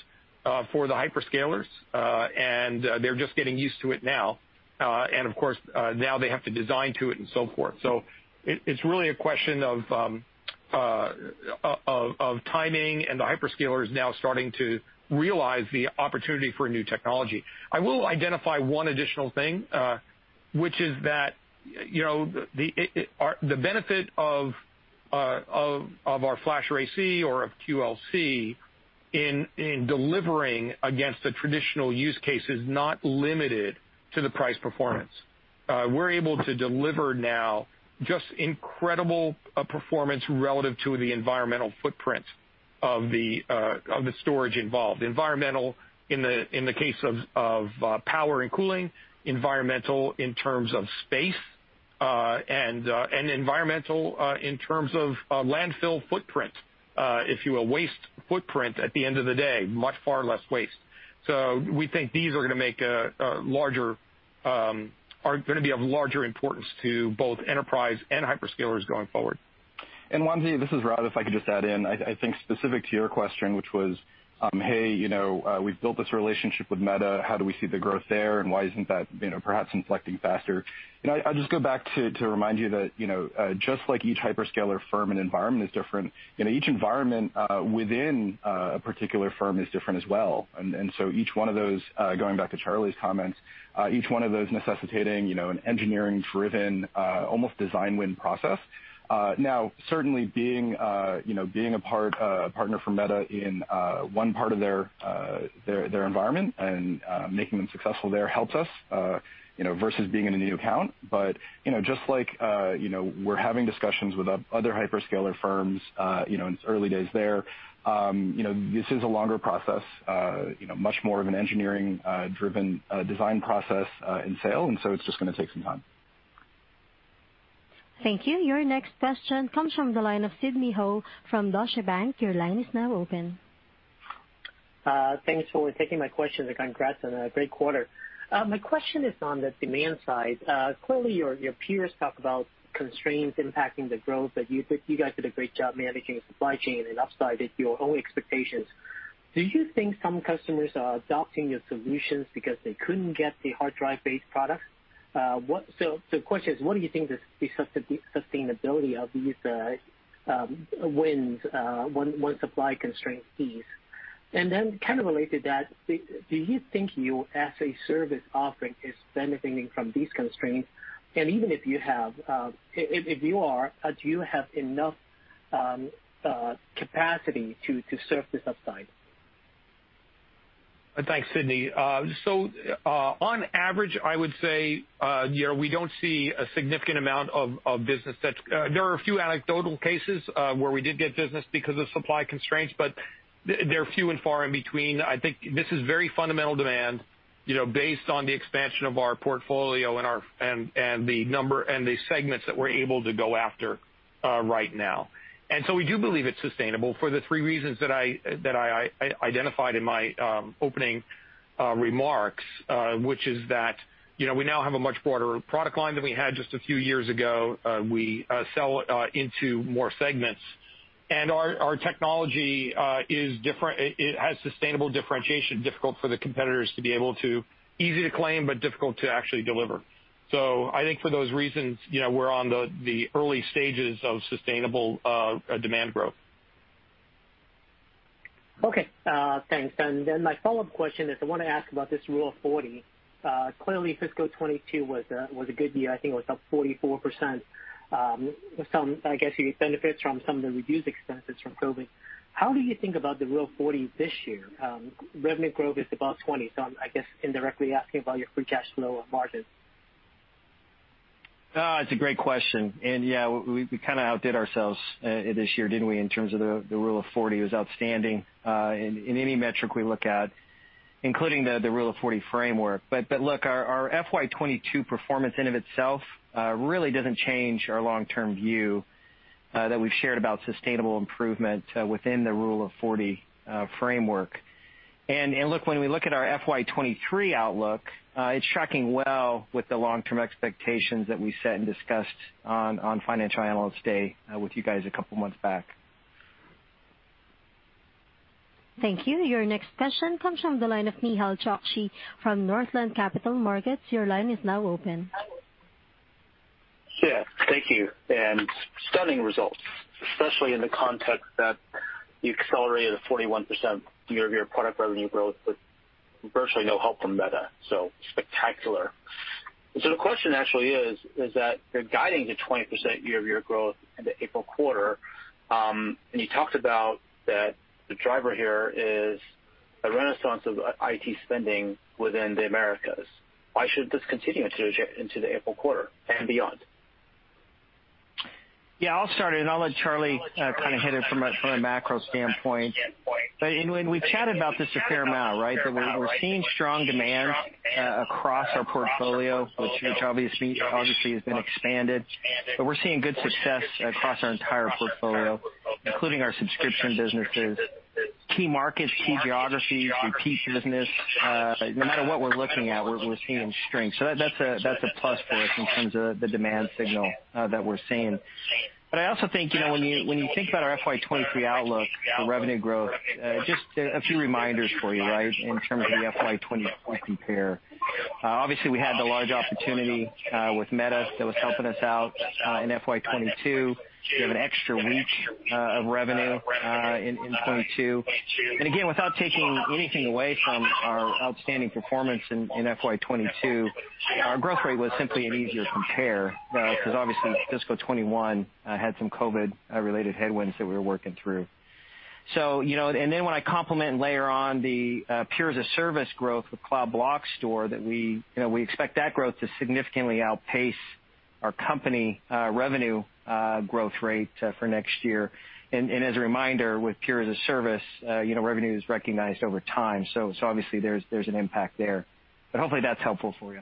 S3: for the hyperscalers, and they're just getting used to it now. Of course, now they have to design to it and so forth. It's really a question of timing and the hyperscalers now starting to realize the opportunity for a new technology. I will identify one additional thing, which is that, you know, the benefit of our FlashArray//C or of QLC in delivering against a traditional use case is not limited to the price performance. We're able to deliver now just incredible performance relative to the environmental footprint of the storage involved. Environmental in the case of power and cooling, environmental in terms of space, and environmental in terms of landfill footprint, if you will, waste footprint at the end of the day, much far less waste. We think these are gonna be of larger importance to both enterprise and hyperscalers going forward.
S6: Wamsi, this is Rob. If I could just add in, I think specific to your question, which was, hey, you know, we've built this relationship with Meta, how do we see the growth there, and why isn't that, you know, perhaps inflecting faster? You know, I'll just go back to remind you that, you know, just like each hyperscaler firm and environment is different, you know, each environment within a particular firm is different as well. So each one of those, going back to Charlie's comments, each one of those necessitating, you know, an engineering-driven, almost design win process. Now certainly being a partner for Meta in one part of their environment and making them successful there helps us, you know, versus being in a new account. You know, just like, you know, we're having discussions with other hyperscaler firms, you know, in its early days there, you know, this is a longer process, you know, much more of an engineering driven design process and sale, and so it's just gonna take some time.
S1: Thank you. Your next question comes from the line of Sidney Ho from Deutsche Bank. Your line is now open.
S15: Thanks for taking my question, and congrats on a great quarter. My question is on the demand side. Clearly your peers talk about constraints impacting the growth, but you guys did a great job managing the supply chain and upsided your own expectations. Do you think some customers are adopting your solutions because they couldn't get the hard drive-based products? The question is, what do you think the sustainability of these wins once supply constraints ease? Kind of related to that, do you think your as a service offering is benefiting from these constraints? Even if you have, if you are, do you have enough capacity to serve this upside?
S3: Thanks, Sidney. On average, I would say, you know, we don't see a significant amount of business. There are a few anecdotal cases where we did get business because of supply constraints, but they're few and far in between. I think this is very fundamental demand, you know, based on the expansion of our portfolio and the segments that we're able to go after right now. We do believe it's sustainable for the three reasons that I identified in my opening remarks, which is that, you know, we now have a much broader product line than we had just a few years ago. We sell into more segments. Our technology is different. It has sustainable differentiation, difficult for the competitors to be able to. Easy to claim, but difficult to actually deliver. I think for those reasons, you know, we're on the early stages of sustainable demand growth.
S15: My follow-up question is I wanna ask about this Rule of 40. Clearly fiscal 2022 was a good year. I think it was up 44%. I guess you benefited from some of the reduced expenses from COVID. How do you think about the Rule of 40 this year? Revenue growth is above 20, so I'm, I guess, indirectly asking about your free cash flow and margins.
S4: It's a great question. Yeah, we kinda outdid ourselves this year, didn't we, in terms of the Rule of 40. It was outstanding in any metric we look at, including the Rule of 40 framework. Look, our FY 2022 performance in and of itself really doesn't change our long-term view that we've shared about sustainable improvement within the Rule of 40 framework. Look, when we look at our FY 2023 outlook, it's tracking well with the long-term expectations that we set and discussed on Financial Analyst Day with you guys a couple months back.
S1: Thank you. Your next question comes from the line of Nehal Chokshi from Northland Capital Markets. Your line is now open.
S16: Yeah, thank you. Stunning results, especially in the context that you accelerated a 41% year-over-year product revenue growth with virtually no help from Meta, so spectacular. The question actually is that you're guiding to 20% year-over-year growth in the April quarter, and you talked about that the driver here is a renaissance of IT spending within the Americas. Why should this continue into the April quarter and beyond?
S4: Yeah, I'll start it, and I'll let Charlie kind of hit it from a macro standpoint. We've chatted about this a fair amount, right? That we're seeing strong demand across our portfolio, which obviously has been expanded, but we're seeing good success across our entire portfolio, including our subscription businesses. Key markets, key geographies, repeat business, no matter what we're looking at, we're seeing strength. So that's a plus for us in terms of the demand signal that we're seeing. But I also think, you know, when you think about our FY 2023 outlook for revenue growth, just a few reminders for you, right, in terms of the FY 2024 compare. Obviously, we had the large opportunity with Meta that was helping us out in FY 2022. We have an extra week of revenue in 2022. Again, without taking anything away from our outstanding performance in FY 2022, our growth rate was simply an easier compare, 'cause obviously fiscal 2021 had some COVID-related headwinds that we were working through. You know, when I complement and layer on the Pure as-a-Service growth with Cloud Block Store that we, you know, we expect that growth to significantly outpace our company revenue growth rate for next year. As a reminder, with Pure as-a-Service, revenue is recognized over time. Obviously, there's an impact there. Hopefully that's helpful for you.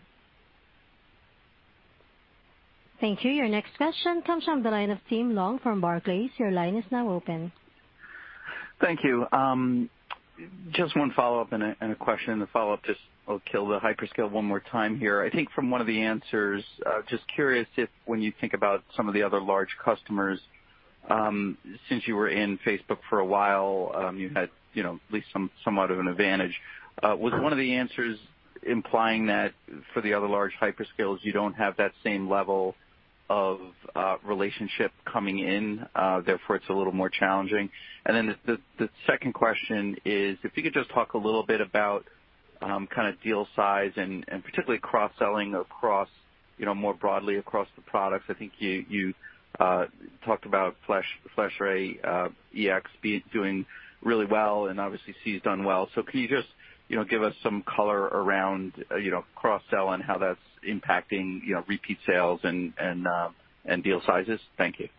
S1: Thank you. Your next question comes from the line of Tim Long from Barclays. Your line is now open.
S17: Thank you. Just one follow-up and a question. The follow-up just, I'll kill the hyperscale one more time here. I think from one of the answers, just curious if, when you think about some of the other large customers, since you were in Facebook for a while, you had, you know, at least somewhat of an advantage. Was one of the answers implying that for the other large hyperscalers, you don't have that same level of relationship coming in, therefore it's a little more challenging? Then the second question is if you could just talk a little bit about, kinda deal size and particularly cross-selling across, you know, more broadly across the products. I think you talked about FlashArray//X doing really well and obviously FlashArray//C done well. Can you just, you know, give us some color around, you know, cross-sell and how that's impacting, you know, repeat sales and deal sizes? Thank you.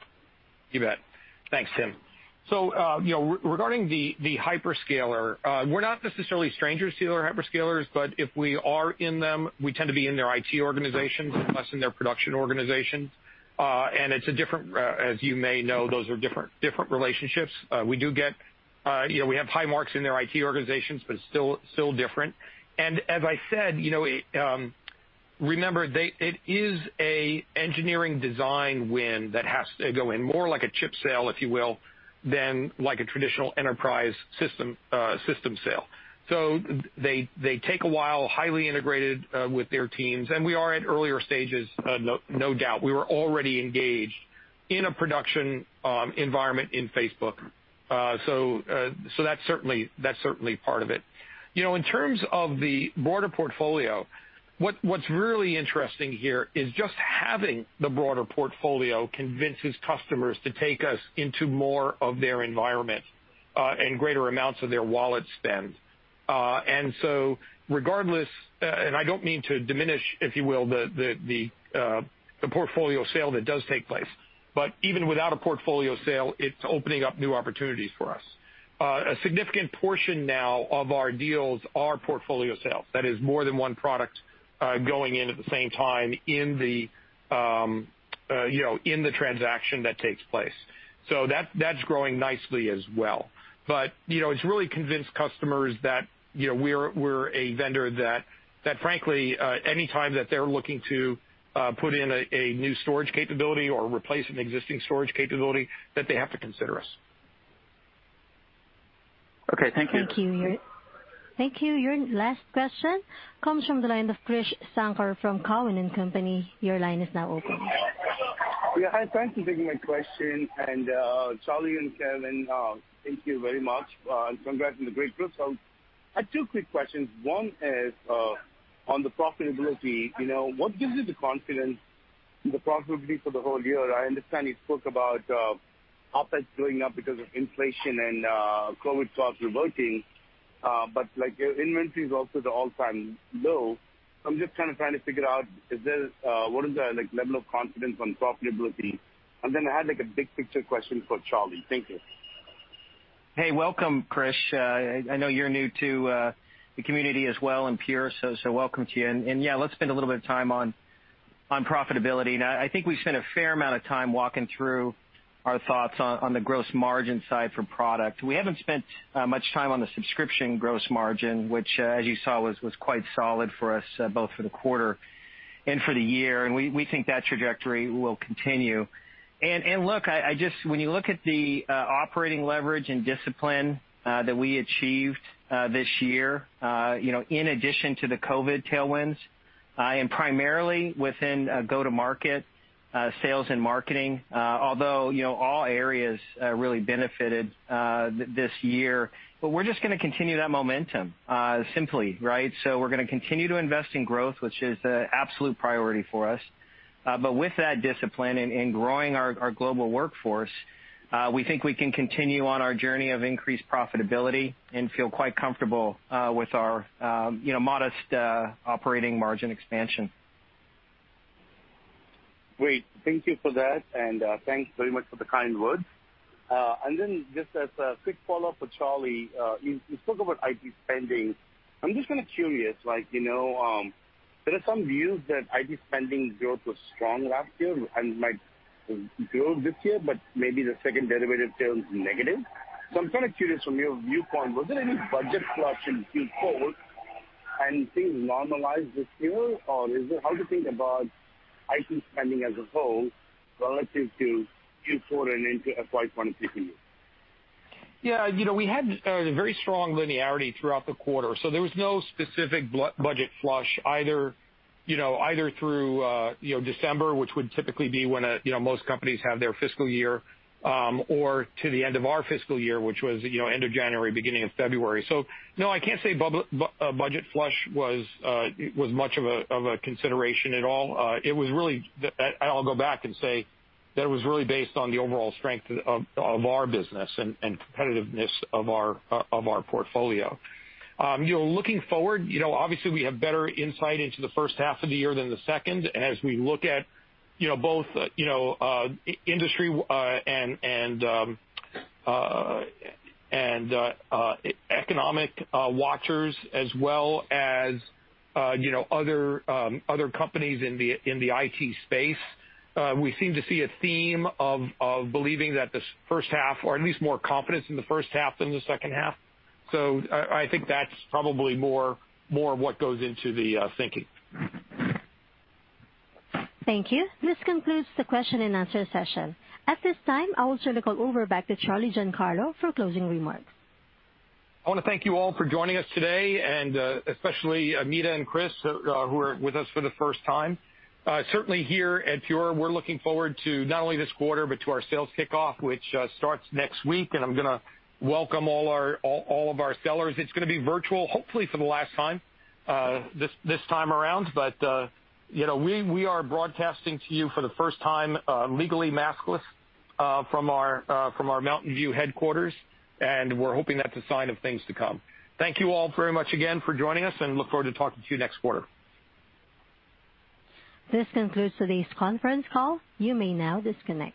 S3: You bet. Thanks, Tim. You know, regarding the hyperscaler, we're not necessarily strangers to other hyperscalers, but if we are in them, we tend to be in their IT organizations and less in their production organizations. It's a different, as you may know, those are different relationships. We do get. You know, we have high marks in their IT organizations, but it's still different. As I said, you know, remember it is an engineering design win that has to go in, more like a chip sale, if you will, than like a traditional enterprise system sale. They take a while, highly integrated with their teams, and we are at earlier stages, no doubt. We were already engaged in a production environment in Facebook. That's certainly part of it. You know, in terms of the broader portfolio, what's really interesting here is just having the broader portfolio convinces customers to take us into more of their environment and greater amounts of their wallet spend. Regardless, I don't mean to diminish, if you will, the portfolio sale that does take place, but even without a portfolio sale, it's opening up new opportunities for us. A significant portion now of our deals are portfolio sales. That is more than one product going in at the same time, you know, in the transaction that takes place. That's growing nicely as well. You know, it's really convinced customers that, you know, we're a vendor that frankly any time that they're looking to put in a new storage capability or replace an existing storage capability, that they have to consider us.
S17: Okay, thank you.
S1: Thank you. Thank you. Your last question comes from the line of Krish Sankar from Cowen and Company. Your line is now open.
S18: Yeah, hi, thanks for taking my question. Charlie and Kevan, thank you very much. Congrats on the great quarter. I have two quick questions. One is on the profitability. You know, what gives you the confidence in the profitability for the whole year? I understand you spoke about OpEx going up because of inflation and COVID costs reverting, but like, inventory is also at the all-time low. I'm just kind of trying to figure out what is the, like, level of confidence on profitability? I had, like, a big picture question for Charlie. Thank you.
S3: Hey, welcome, Krish. I know you're new to the community as well and Pure, so welcome to you. Yeah, let's spend a little bit of time on profitability. Now, I think we've spent a fair amount of time walking through our thoughts on the gross margin side for product. We haven't spent much time on the subscription gross margin, which, as you saw, was quite solid for us, both for the quarter and for the year. We think that trajectory will continue. Look, when you look at the operating leverage and discipline that we achieved this year, you know, in addition to the COVID tailwinds, and primarily within go-to-market, sales and marketing, although you know, all areas really benefited this year. We're just gonna continue that momentum, simply, right? We're gonna continue to invest in growth, which is the absolute priority for us. With that discipline and growing our global workforce, we think we can continue on our journey of increased profitability and feel quite comfortable with our, you know, modest operating margin expansion.
S18: Great. Thank you for that, and thanks very much for the kind words. Then just as a quick follow-up for Charlie, you spoke about IT spending. I'm just kinda curious, like, you know, there are some views that IT spending growth was strong last year and might grow this year, but maybe the second derivative term is negative. I'm kinda curious from your viewpoint, was there any budget flush in Q4 and things normalize this year, or, how do you think about IT spending as a whole relative to Q4 and into FY 2022?
S3: Yeah, you know, we had very strong linearity throughout the quarter, so there was no specific budget flush either, you know, either through December, which would typically be when most companies have their fiscal year, or to the end of our fiscal year, which was end of January, beginning of February. No, I can't say budget flush was much of a consideration at all. It was really. I'll go back and say that it was really based on the overall strength of our business and competitiveness of our portfolio. You know, looking forward, you know, obviously we have better insight into the H1 of the year than the second. As we look at, you know, both, you know, industry and economic watchers as well as, you know, other companies in the IT space, we seem to see a theme of believing that this H1 or at least more confidence in the H1 than the H2. I think that's probably more of what goes into the thinking.
S1: Thank you. This concludes the question and answer session. At this time, I will turn the call over back to Charlie Giancarlo for closing remarks.
S3: I wanna thank you all for joining us today, and especially Anita and Chris, who are with us for the first time. Certainly, here at Pure, we're looking forward to not only this quarter, but to our sales kickoff, which starts next week. I'm gonna welcome all of our sellers. It's gonna be virtual, hopefully for the last time, this time around. You know, we are broadcasting to you for the first time, legally maskless, from our Mountain View headquarters, and we're hoping that's a sign of things to come. Thank you all very much again for joining us and look forward to talking to you next quarter.
S1: This concludes today's conference call. You may now disconnect.